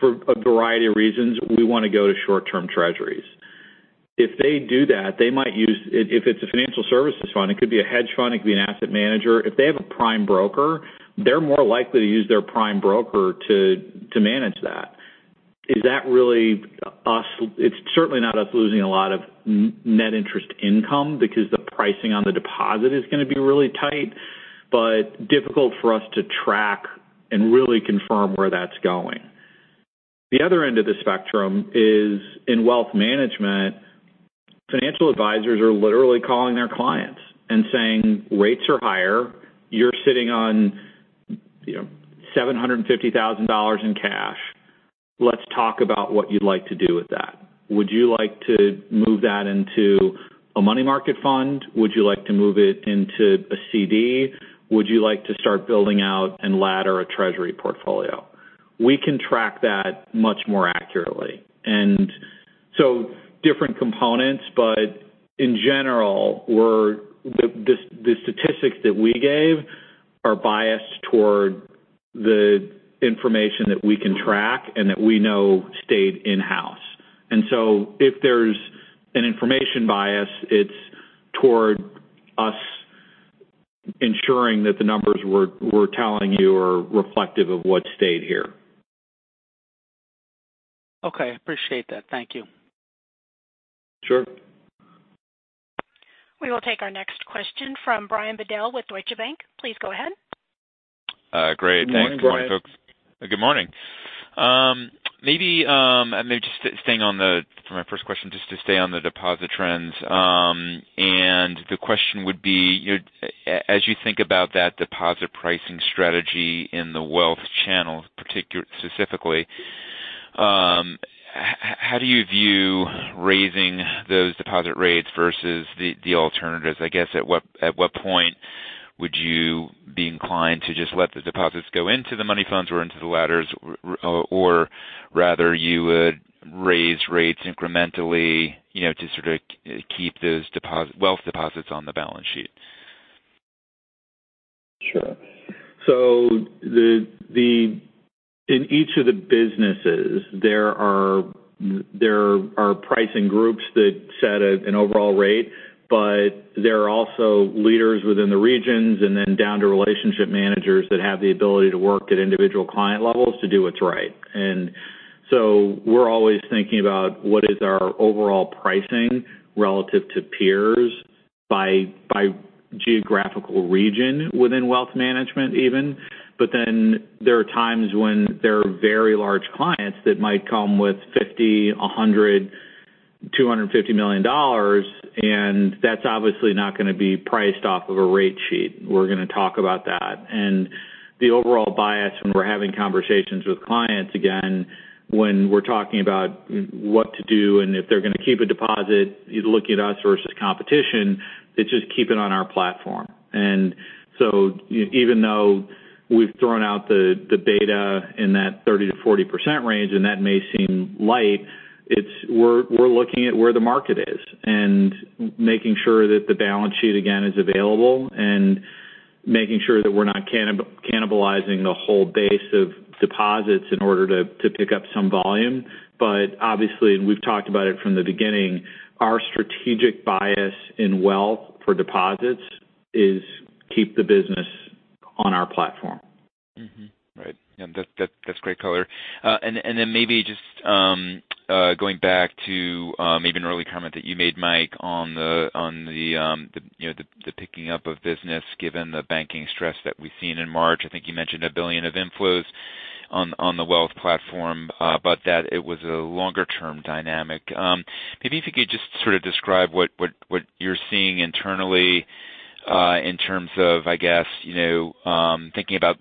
for a variety of reasons, we want to go to short-term treasuries. If they do that, they might use. If it's a financial services fund, it could be a hedge fund, it could be an asset manager. If they have a prime broker, they're more likely to use their prime broker to manage that. Is that really us? It's certainly not us losing a lot of net interest income because the pricing on the deposit is gonna be really tight, but difficult for us to track and really confirm where that's going. The other end of the spectrum is in wealth management, financial advisors are literally calling their clients and saying, "Rates are higher. You're sitting on, you know, $750,000 in cash. Let's talk about what you'd like to do with that. Would you like to move that into a money market fund? Would you like to move it into a CD? Would you like to start building out and ladder a treasury portfolio?" We can track that much more accurately. Different components, but in general, the statistics that we gave are biased toward the information that we can track and that we know stayed in-house. And so if there's an information bias, it's toward us ensuring that the numbers we're telling you are reflective of what stayed here. Okay. Appreciate that. Thank you. Sure. We will take our next question from Brian Bedell with Deutsche Bank. Please go ahead. Morning, Brian. Thanks. Morning, folks. Good morning. Maybe just staying on the, for my first question, just to stay on the deposit trends, the question would be, you know, as you think about that deposit pricing strategy in the wealth channel specifically, how do you view raising those deposit rates versus the alternatives? I guess at what, at what point would you be inclined to just let the deposits go into the money funds or into the ladders or rather you would raise rates incrementally, you know, to sort of keep those wealth deposits on the balance sheet? Sure. In each of the businesses, there are pricing groups that set an overall rate. There are also leaders within the regions and then down to relationship managers that have the ability to work at individual client levels to do what's right. We're always thinking about what is our overall pricing relative to peers by geographical region within wealth management even. There are times when there are very large clients that might come with $50 million, $100 million, $250 million, and that's obviously not gonna be priced off of a rate sheet. We're gonna talk about that. The overall bias when we're having conversations with clients, again, when we're talking about what to do and if they're gonna keep a deposit, you're looking at us versus competition, it's just keep it on our platform. Even though we've thrown out the beta in that 30%-40% range, and that may seem light, it's we're looking at where the market is and making sure that the balance sheet, again, is available and making sure that we're not cannibalizing the whole base of deposits in order to pick up some volume. Obviously, and we've talked about it from the beginning, our strategic bias in wealth for deposits is keep the business on our platform. Right. Yeah, that's great color. Then maybe just going back to maybe an early comment that you made, Mike, on the, you know, the picking up of business given the banking stress that we've seen in March. I think you mentioned $1 billion of inflows on the wealth platform, but that it was a longer-term dynamic. Maybe if you could just sort of describe what you're seeing internally, in terms of, I guess, you know, thinking about,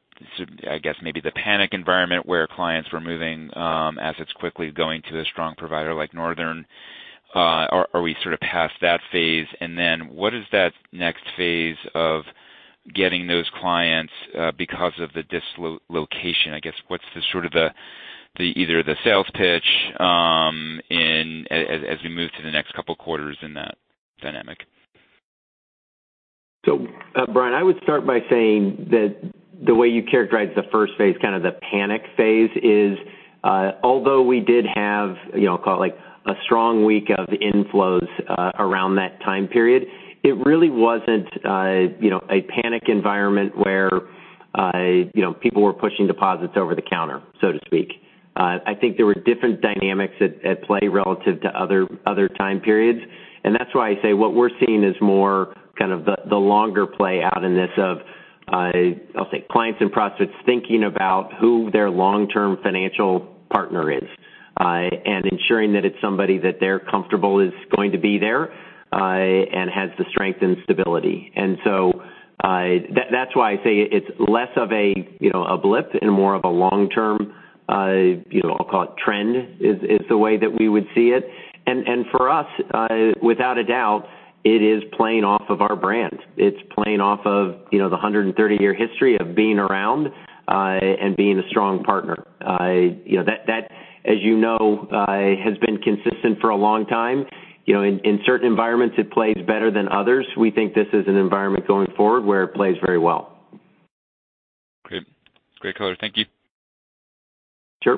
I guess, maybe the panic environment where clients were moving assets quickly going to a strong provider like Northern. Are we sort of past that phase? What is that next phase of getting those clients, because of the dislocation, I guess, what's the sort of the either the sales pitch, as we move to the next couple quarters in that dynamic? Brian, I would start by saying that the way you characterized the first phase, kind of the panic phase is, although we did have, you know, call it like a strong week of inflows, around that time period, it really wasn't, you know, a panic environment where, you know, people were pushing deposits over the counter, so to speak. I think there were different dynamics at play relative to other time periods. That's why I say what we're seeing is more kind of the longer play out in this of, I'll say, clients and prospects thinking about who their long-term financial partner is, and ensuring that it's somebody that they're comfortable is going to be there, and has the strength and stability. That's why I say it's less of a, you know, a blip and more of a long-term, you know, I'll call it trend, is the way that we would see it. For us, without a doubt, it is playing off of our brand. It's playing off of, you know, the 130 history of being around, and being a strong partner. You know, that, as you know, has been consistent for a long time. You know, in certain environments, it plays better than others. We think this is an environment going forward where it plays very well. Great color. Thank you. Sure.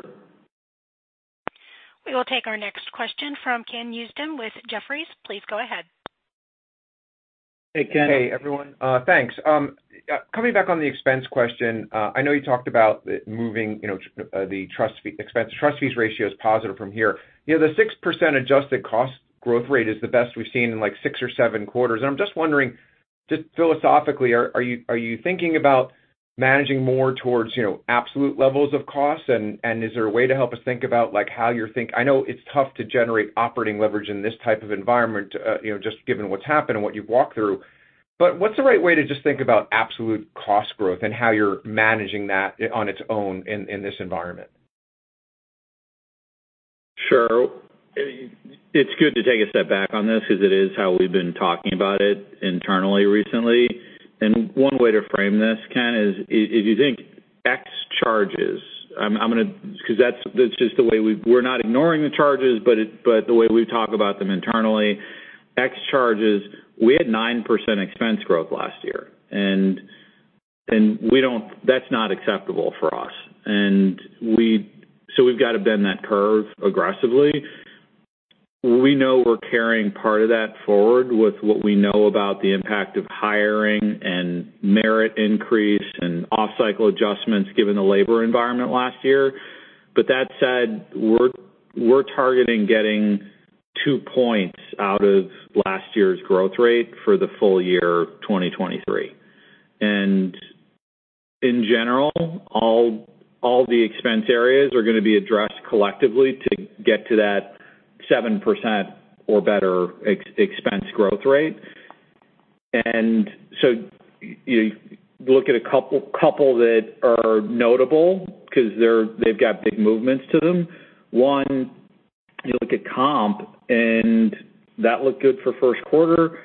We will take our next question from Ken Usdin with Jefferies. Please go ahead. Hey, Ken. Hey, everyone. thanks. coming back on the expense question, I know you talked about the moving, you know, expense-to-trust fee ratio is positive from here. You know, the 6% adjusted cost growth rate is the best we've seen in like 6-7 quarters. I'm just wondering, just philosophically, are you thinking about managing more towards, you know, absolute levels of costs? Is there a way to help us think about, like, how you're thinking? I know it's tough to generate operating leverage in this type of environment, you know, just given what's happened and what you've walked through. What's the right way to just think about absolute cost growth and how you're managing that on its own in this environment? Sure. It's good to take a step back on this because it is how we've been talking about it internally recently. One way to frame this, Ken, is if you think X charges, I'm gonna... Because that's just the way we're not ignoring the charges, but the way we talk about them internally, X charges, we had 9% expense growth last year. We don't. That's not acceptable for us. We've got to bend that curve aggressively. We know we're carrying part of that forward with what we know about the impact of hiring and merit increase and off-cycle adjustments given the labor environment last year. That said, we're targeting getting 2 points out of last year's growth rate for the full year 2023. In general, all the expense areas are going to be addressed collectively to get to that 7% or better ex-expense growth rate. So you look at a couple that are notable because they've got big movements to them. One, you look at comp, and that looked good for first quarter.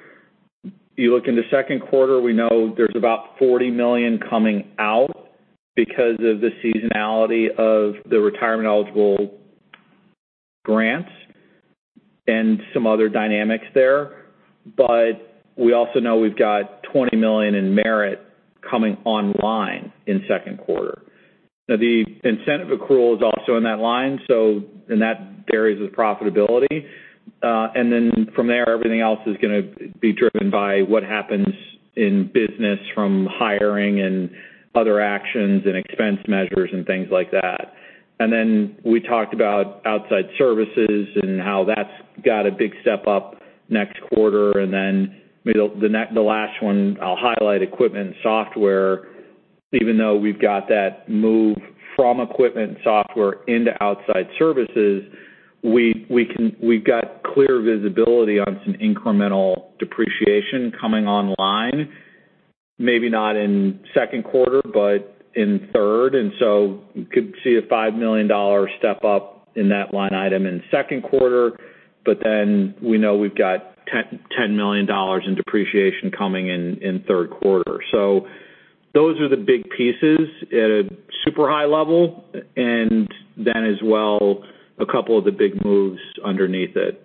You look in the second quarter, we know there's about $40 million coming out because of the seasonality of the retirement-eligible grants and some other dynamics there. We also know we've got $20 million in merit coming online in second quarter. The incentive accrual is also in that line, so and that varies with profitability. Then from there, everything else is gonna be driven by what happens in business from hiring and other actions and expense measures and things like that. We talked about outside services and how that's got a big step up next quarter. The last one I'll highlight, equipment and software. Even though we've got that move from equipment and software into outside services, we've got clear visibility on some incremental depreciation coming online, maybe not in second quarter, but in third. You could see a $5 million step-up in that line item in second quarter. We know we've got $10 million in depreciation coming in third quarter. Those are the big pieces at a super high level, and then as well, a couple of the big moves underneath it.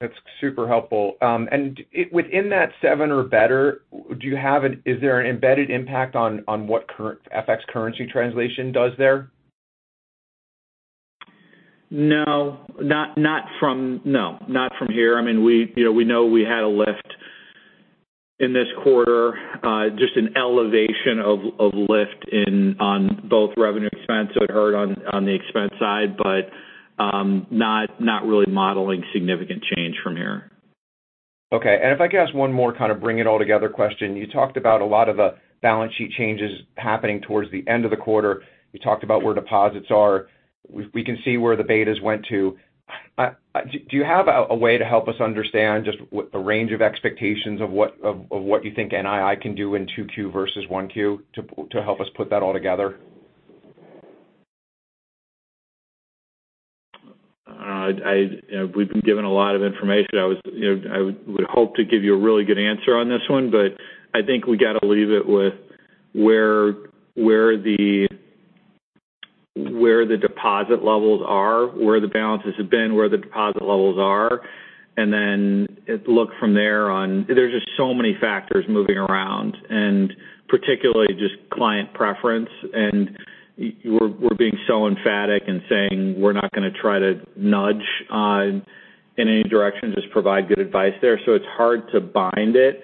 That's super helpful. Within that 7% or better, is there an embedded impact on what current FX currency translation does there? No. Not from here. I mean, we, you know, we know we had a lift in this quarter, just an elevation of lift on both revenue expense. It hurt on the expense side, but not really modeling significant change from here. Okay. If I could ask one more kind of bring it all together question. You talked about a lot of the balance sheet changes happening towards the end of the quarter. You talked about where deposits are. We can see where the betas went to. Do you have a way to help us understand just what the range of expectations of what you think NII can do in 2Q versus 1Q to help us put that all together? We've been given a lot of information. I was, you know, I would hope to give you a really good answer on this one, but I think we got to leave it with where the deposit levels are, where the balances have been, where the deposit levels are, it look from there on. There's just so many factors moving around, and particularly just client preference. We're being so emphatic in saying we're not gonna try to nudge in any direction, just provide good advice there. It's hard to bind it.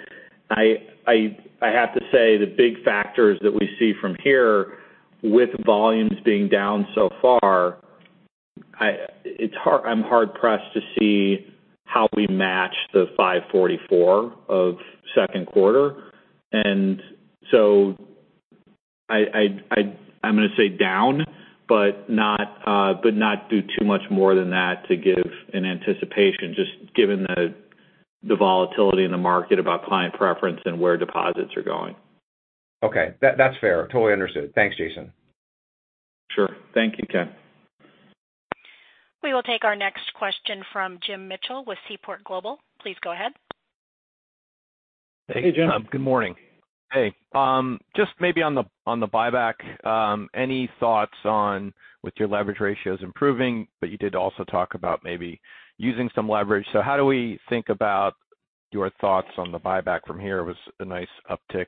I have to say the big factors that we see from here with volumes being down so far, I'm hard pressed to see how we match the 544 of second quarter. I'm gonna say down, but not, but not do too much more than that to give an anticipation, just given the volatility in the market about client preference and where deposits are going. Okay. That, that's fair. Totally understood. Thanks, Jason. Sure. Thank you, Ken. We will take our next question from Jim Mitchell with Seaport Global. Please go ahead. Hey, Jim. Good morning. Hey, just maybe on the, on the buyback, any thoughts on with your leverage ratios improving, but you did also talk about maybe using some leverage. How do we think about your thoughts on the buyback from here was a nice uptick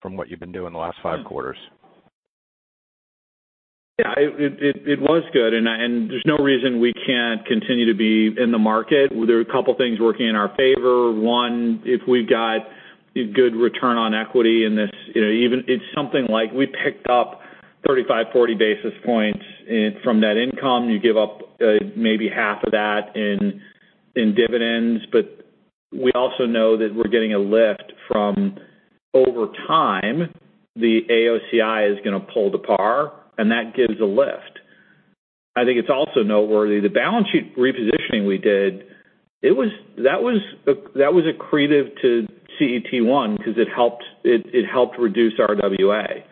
from what you've been doing the last five quarters? Yeah, it was good, there's no reason we can't continue to be in the market. There are a couple things working in our favor. One, if we've got good return on equity in this, you know, even it's something like we picked up 35-40 basis points from that income, you give up, maybe half of that in dividends. We also know that we're getting a lift from over time, the AOCI is gonna pull to par, and that gives a lift. I think it's also noteworthy, the balance sheet repositioning we did, that was accretive to CET1 because it helped reduce RWA.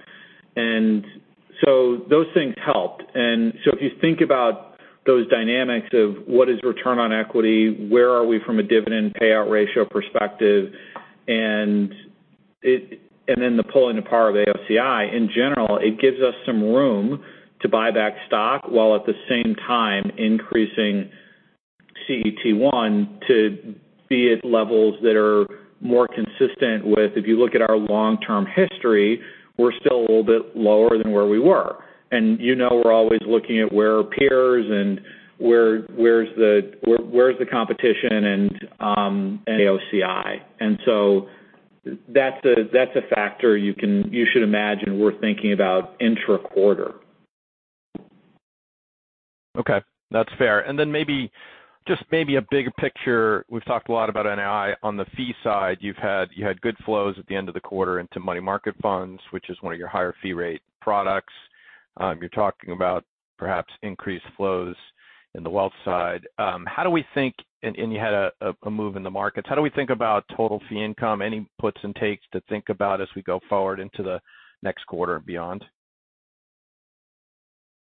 Those things helped. If you think about those dynamics of what is return on equity, where are we from a dividend payout ratio perspective, and then the pulling to par of AOCI, in general, it gives us some room to buy back stock while at the same time increasing CET1 to be at levels that are more consistent with, if you look at our long-term history, we're still a little bit lower than where we were. And you know we're always looking at where peers and where's the competition and AOCI. That's a, that's a factor you should imagine we're thinking about intra-quarter. Okay. That's fair. Then maybe, just maybe a bigger picture. We've talked a lot about NII on the fee side. You had good flows at the end of the quarter into money market funds, which is one of your higher fee rate products. You're talking about perhaps increased flows in the wealth side. You had a move in the markets. How do we think about total fee income? Any puts and takes to think about as we go forward into the next quarter and beyond?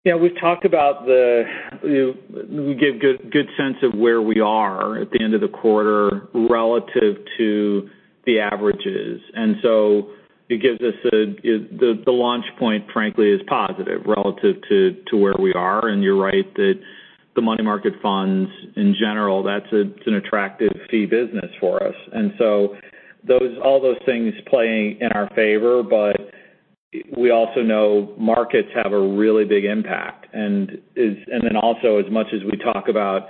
Yeah. We've talked about the, you know, we give good sense of where we are at the end of the quarter relative to the averages. It gives us a, the launch point, frankly, is positive relative to where we are. You're right that the money market funds in general, that's an attractive fee business for us. All those things playing in our favor. We also know markets have a really big impact. Also, as much as we talk about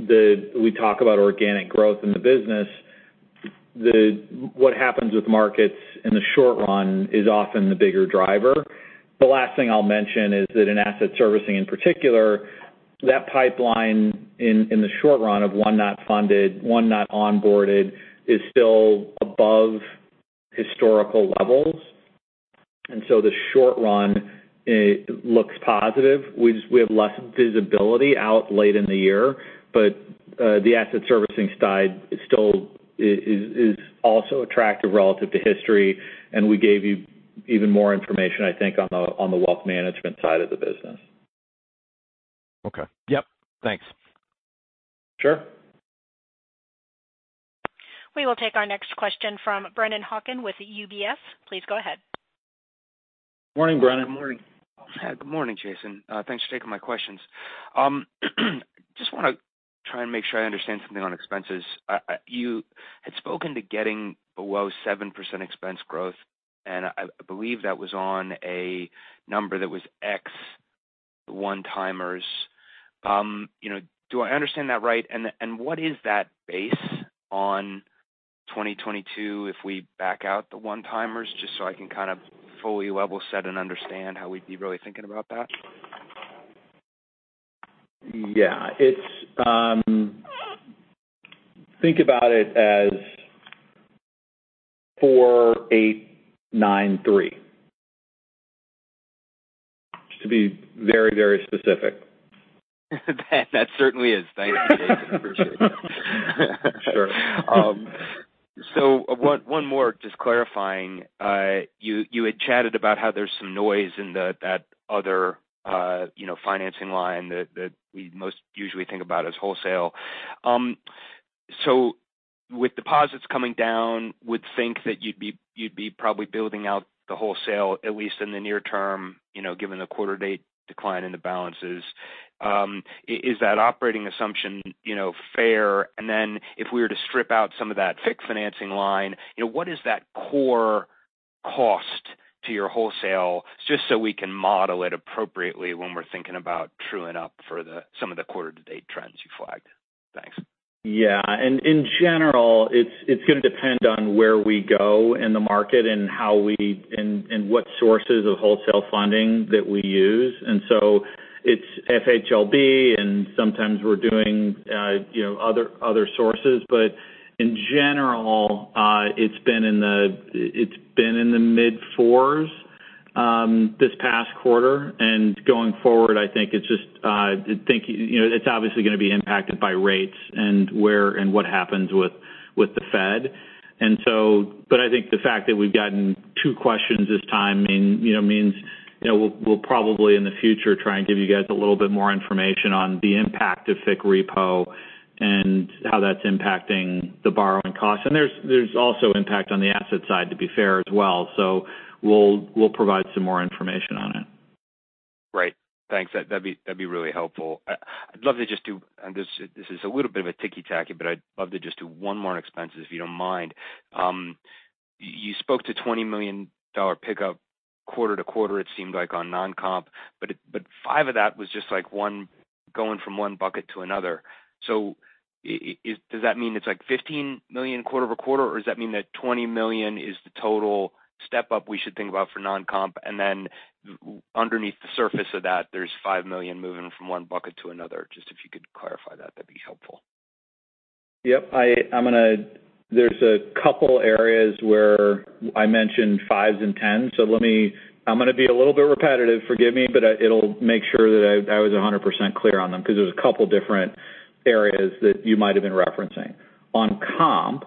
organic growth in the business, what happens with markets in the short run is often the bigger driver. The last thing I'll mention is that in asset servicing in particular, that pipeline in the short run of one not funded, one not onboarded is still above historical levels. The short run, it looks positive. We just, we have less visibility out late in the year. The asset servicing side still is also attractive relative to history. We gave you even more information, I think, on the, on the wealth management side of the business. Okay. Yep. Thanks. Sure. We will take our next question from Brennan Hawken with UBS. Please go ahead. Morning, Brennan. Morning. Good morning, Jason. Thanks for taking my questions. Just wanna try and make sure I understand something on expenses. You had spoken to getting below 7% expense growth, and I believe that was on a number that was X one-timers. You know, do I understand that right? What is that base on 2022 if we back out the one-timers, just so I can kind of fully level set and understand how we'd be really thinking about that? Yeah. It's. Think about it as 4,893. To be very, very specific. That certainly is. Thank you, Jason. Appreciate that. Sure. One more just clarifying. You had chatted about how there's some noise in that other, you know, financing line that we most usually think about as wholesale. With deposits coming down, would think that you'd be probably building out the wholesale at least in the near term, you know, given the quarter-to-date decline in the balances. Is that operating assumption, you know, fair? If we were to strip out some of that FICC financing line, you know, what is that core cost to your wholesale, just so we can model it appropriately when we're thinking about true it up for some of the quarter-to-date trends you flagged. Thanks. Yeah. In general, it's gonna depend on where we go in the market and what sources of wholesale funding that we use. It's FHLB, and sometimes we're doing, you know, other sources. In general, it's been in the mid fours this past quarter. Going forward, I think it's just, you know, it's obviously gonna be impacted by rates and what happens with the Fed. I think the fact that we've gotten two questions this time mean, you know, means, you know, we'll probably in the future try and give you guys a little bit more information on the impact of FICC repo and how that's impacting the borrowing costs. There's also impact on the asset side to be fair as well. We'll provide some more information on it. Great. Thanks. That'd be really helpful. I'd love to just do. This is a little bit of a ticky-tacky, but I'd love to just do one more on expenses, if you don't mind. You spoke to $20 million pickup quarter-to-quarter, it seemed like on non-comp, but $5 million of that was just like one going from one bucket to another. Does that mean it's like $15 million quarter-over-quarter, or does that mean that $20 million is the total step up we should think about for non-comp, and then underneath the surface of that, there's $5 million moving from one bucket to another? Just if you could clarify that'd be helpful. Yep. I'm gonna. There's a couple areas where I mentioned 5s and 10s. Let me I'm gonna be a little bit repetitive, forgive me, but it'll make sure that I was 100% clear on them 'cause there's a couple different areas that you might have been referencing. On comp,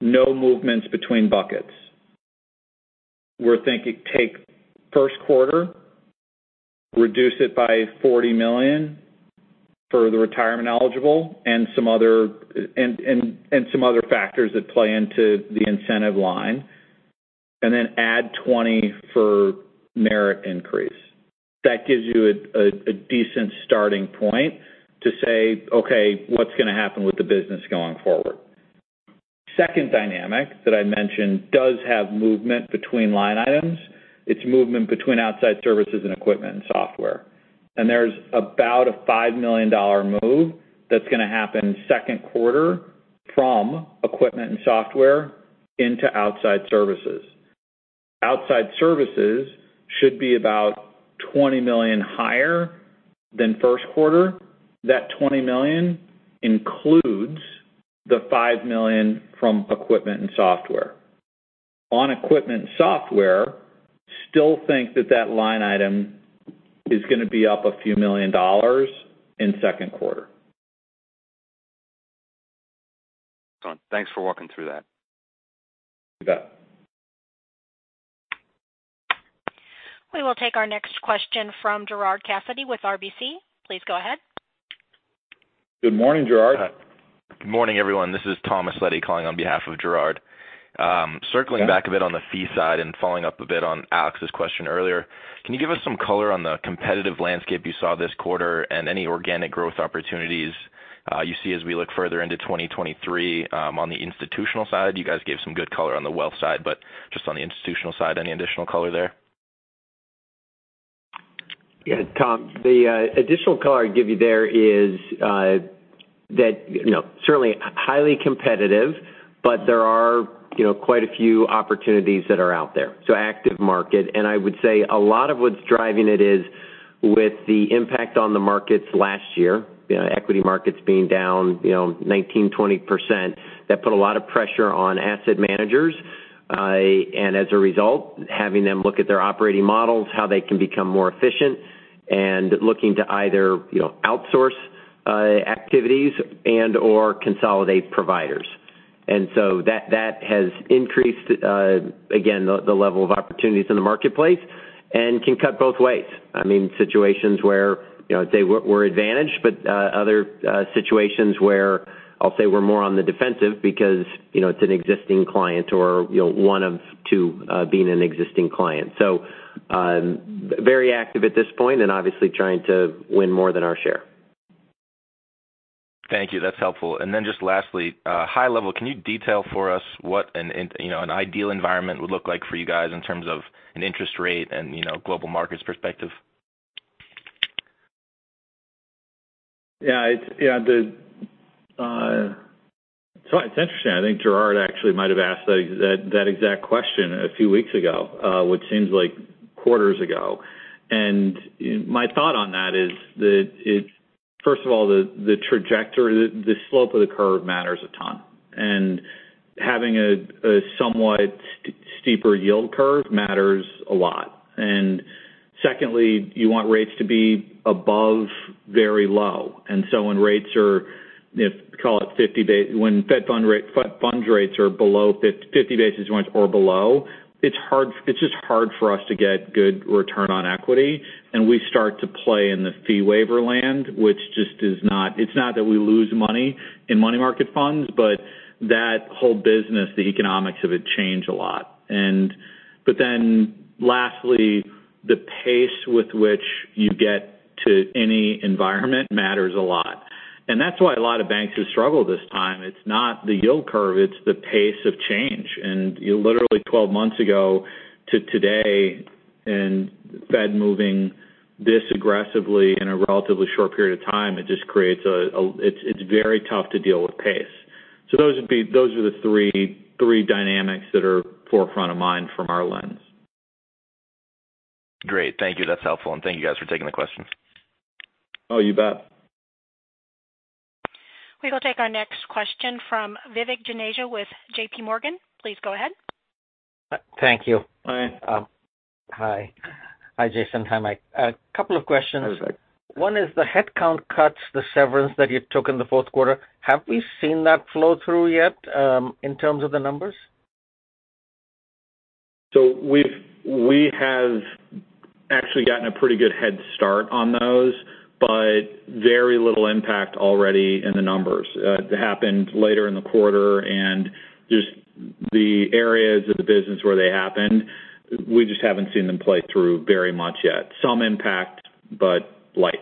no movements between buckets. We're thinking take first quarter, reduce it by $40 million for the retirement eligible and some other factors that play into the incentive line, and then add $20 for merit increase. That gives you a decent starting point to say, "Okay, what's gonna happen with the business going forward?" Second dynamic that I mentioned does have movement between line items. It's movement between outside services and equipment and software. There's about a $5 million move that's going to happen second quarter from equipment and software into outside services. Outside services should be about $20 million higher than first quarter. That $20 million includes the $5 million from equipment and software. On equipment and software, still think that that line item is going to be up a few million dollars in second quarter. Thanks for walking through that. You bet. We will take our next question from Gerard Cassidy with RBC. Please go ahead. Good morning, Gerard. Good morning, everyone. This is Thomas Leddy calling on behalf of Gerard. Circling back a bit on the fee side and following up a bit on Alex's question earlier, can you give us some color on the competitive landscape you saw this quarter and any organic growth opportunities you see as we look further into 2023, on the institutional side? You guys gave some good color on the wealth side, but just on the institutional side, any additional color there? Yeah, Tom, the additional color I'd give you there is that, you know, certainly highly competitive, but there are, you know, quite a few opportunities that are out there. Active market. I would say a lot of what's driving it is with the impact on the markets last year, you know, equity markets being down, you know, 19%, 20%, that put a lot of pressure on asset managers. And as a result, having them look at their operating models, how they can become more efficient, and looking to either, you know, outsource activities and/or consolidate providers. That, that has increased again, the level of opportunities in the marketplace and can cut both ways. I mean, situations where, you know, I'd say we're advantaged, but, other situations where I'll say we're more on the defensive because, you know, it's an existing client or, you know, one of two, being an existing client. Very active at this point and obviously trying to win more than our share. Thank you. That's helpful. Just lastly, high level, can you detail for us what you know, an ideal environment would look like for you guys in terms of an interest rate and, you know, global markets perspective? Yeah, it's interesting. I think Gerard actually might have asked that exact question a few weeks ago, which seems like quarters ago. My thought on that is that first of all, the trajectory, the slope of the curve matters a ton. Having a somewhat steeper yield curve matters a lot. Secondly, you want rates to be above very low. When rates are, you know, when Fed funds rates are below 50 basis points or below, it's just hard for us to get good return on equity. We start to play in the fee waiver land, which just is not, it's not that we lose money in money market funds, but that whole business, the economics of it change a lot. Lastly, the pace with which you get to any environment matters a lot. That's why a lot of banks have struggled this time. It's not the yield curve, it's the pace of change. You literally 12 months ago to today and Fed moving this aggressively in a relatively short period of time, it just creates it's very tough to deal with pace. Those are the three dynamics that are forefront of mind from our lens. Great. Thank you. That's helpful. Thank you guys for taking the question. Oh, you bet. We will take our next question from Vivek Juneja with JPMorgan. Please go ahead. Thank you. Hi, Jason. Hi, Mike. A couple of questions. One is the headcount cuts, the severance that you took in the fourth quarter. Have we seen that flow through yet, in terms of the numbers? We have actually gotten a pretty good head start on those, but very little impact already in the numbers. It happened later in the quarter and just the areas of the business where they happened, we just haven't seen them play through very much yet. Some impact, but light.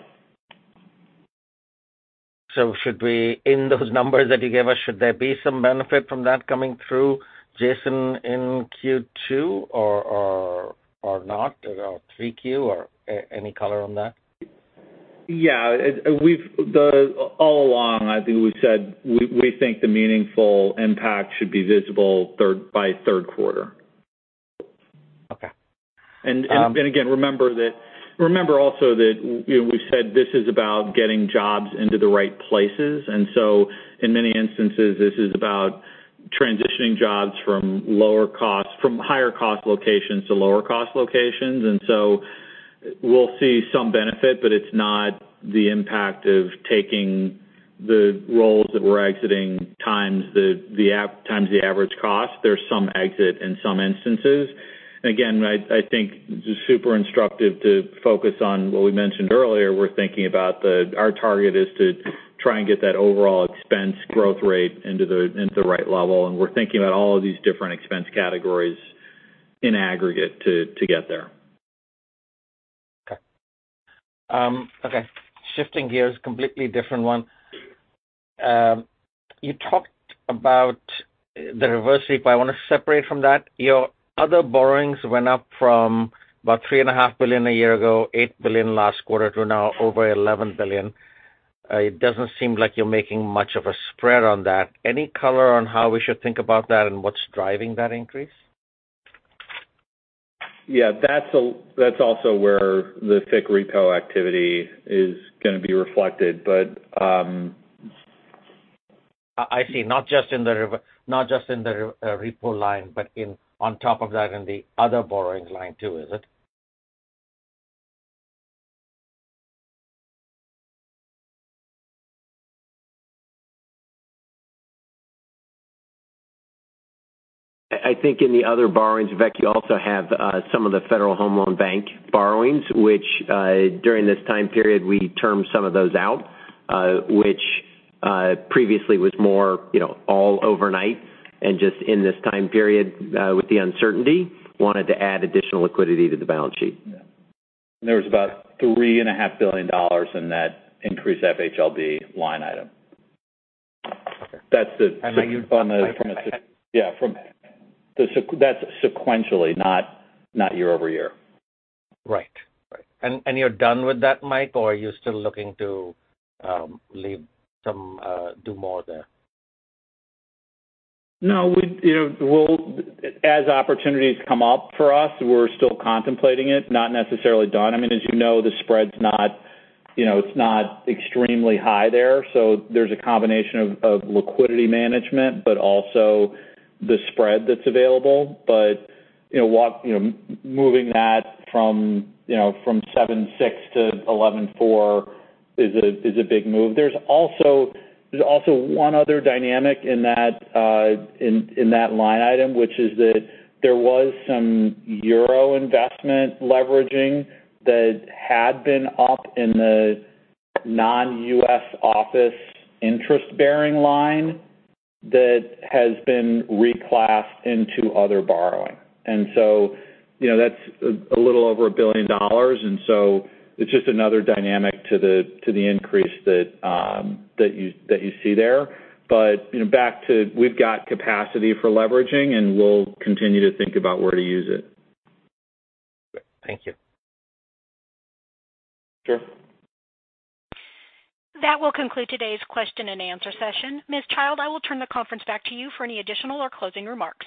Should we, in those numbers that you gave us, should there be some benefit from that coming through, Jason, in Q2 or not? Or 3Q or any color on that? Yeah. All along, I think we've said we think the meaningful impact should be visible by third quarter. Okay. Again, remember that remember also that we've said this is about getting jobs into the right places. In many instances, this is about transitioning jobs from lower cost from higher cost locations to lower cost locations. We'll see some benefit, but it's not the impact of taking the roles that we're exiting times the average cost. There's some exit in some instances. I think just super instructive to focus on what we mentioned earlier. We're thinking about our target is to try and get that overall expense growth rate into the right level. We're thinking about all of these different expense categories in aggregate to get there. Okay. Shifting gears, completely different one. You talked about the reverse repo. I want to separate from that. Your other borrowings went up from about $3.5 billion a year ago, $8 billion last quarter to now over $11 billion. It doesn't seem like you're making much of a spread on that. Any color on how we should think about that and what's driving that increase? Yeah. That's also where the FICC repo activity is gonna be reflected. I see. Not just in the repo line, but in on top of that in the other borrowings line too, is it? I think in the other borrowings, Vivek, you also have some of the Federal Home Loan Bank borrowings, which during this time period, we termed some of those out, which previously was more, you know, all overnight. Just in this time period, with the uncertainty, wanted to add additional liquidity to the balance sheet. Yeah. There was about $3.5 billion in that increased FHLB line item. And are you- From the-yeah, that's sequentially, not year-over-year. Right. You're done with that, Mike, or are you still looking to do more there? No. We, you know, we'll as opportunities come up for us, we're still contemplating it, not necessarily done. I mean, as you know, the spread's not, you know, it's not extremely high there. There's a combination of liquidity management, but also the spread that's available. You know, walk, you know, moving that from, you know, from 7.6-11.4 is a big move. There's also, there's also one other dynamic in that, in that line item, which is that there was some euro investment leveraging that had been up in the non-U.S. office interest-bearing line that has been reclassed into other borrowing. You know, that's a little over $1 billion, and so it's just another dynamic to the increase that you, that you see there. You know, back to we've got capacity for leveraging, and we'll continue to think about where to use it. Great. Thank you. Sure. That will conclude today's question-and-answer session. Ms. Childe, I will turn the conference back to you for any additional or closing remarks.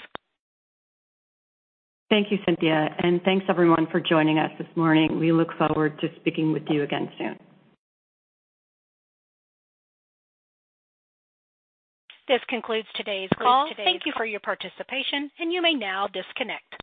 Thank you, Cynthia. Thanks everyone for joining us this morning. We look forward to speaking with you again soon. This concludes today's call. Thank you for your participation. You may now disconnect.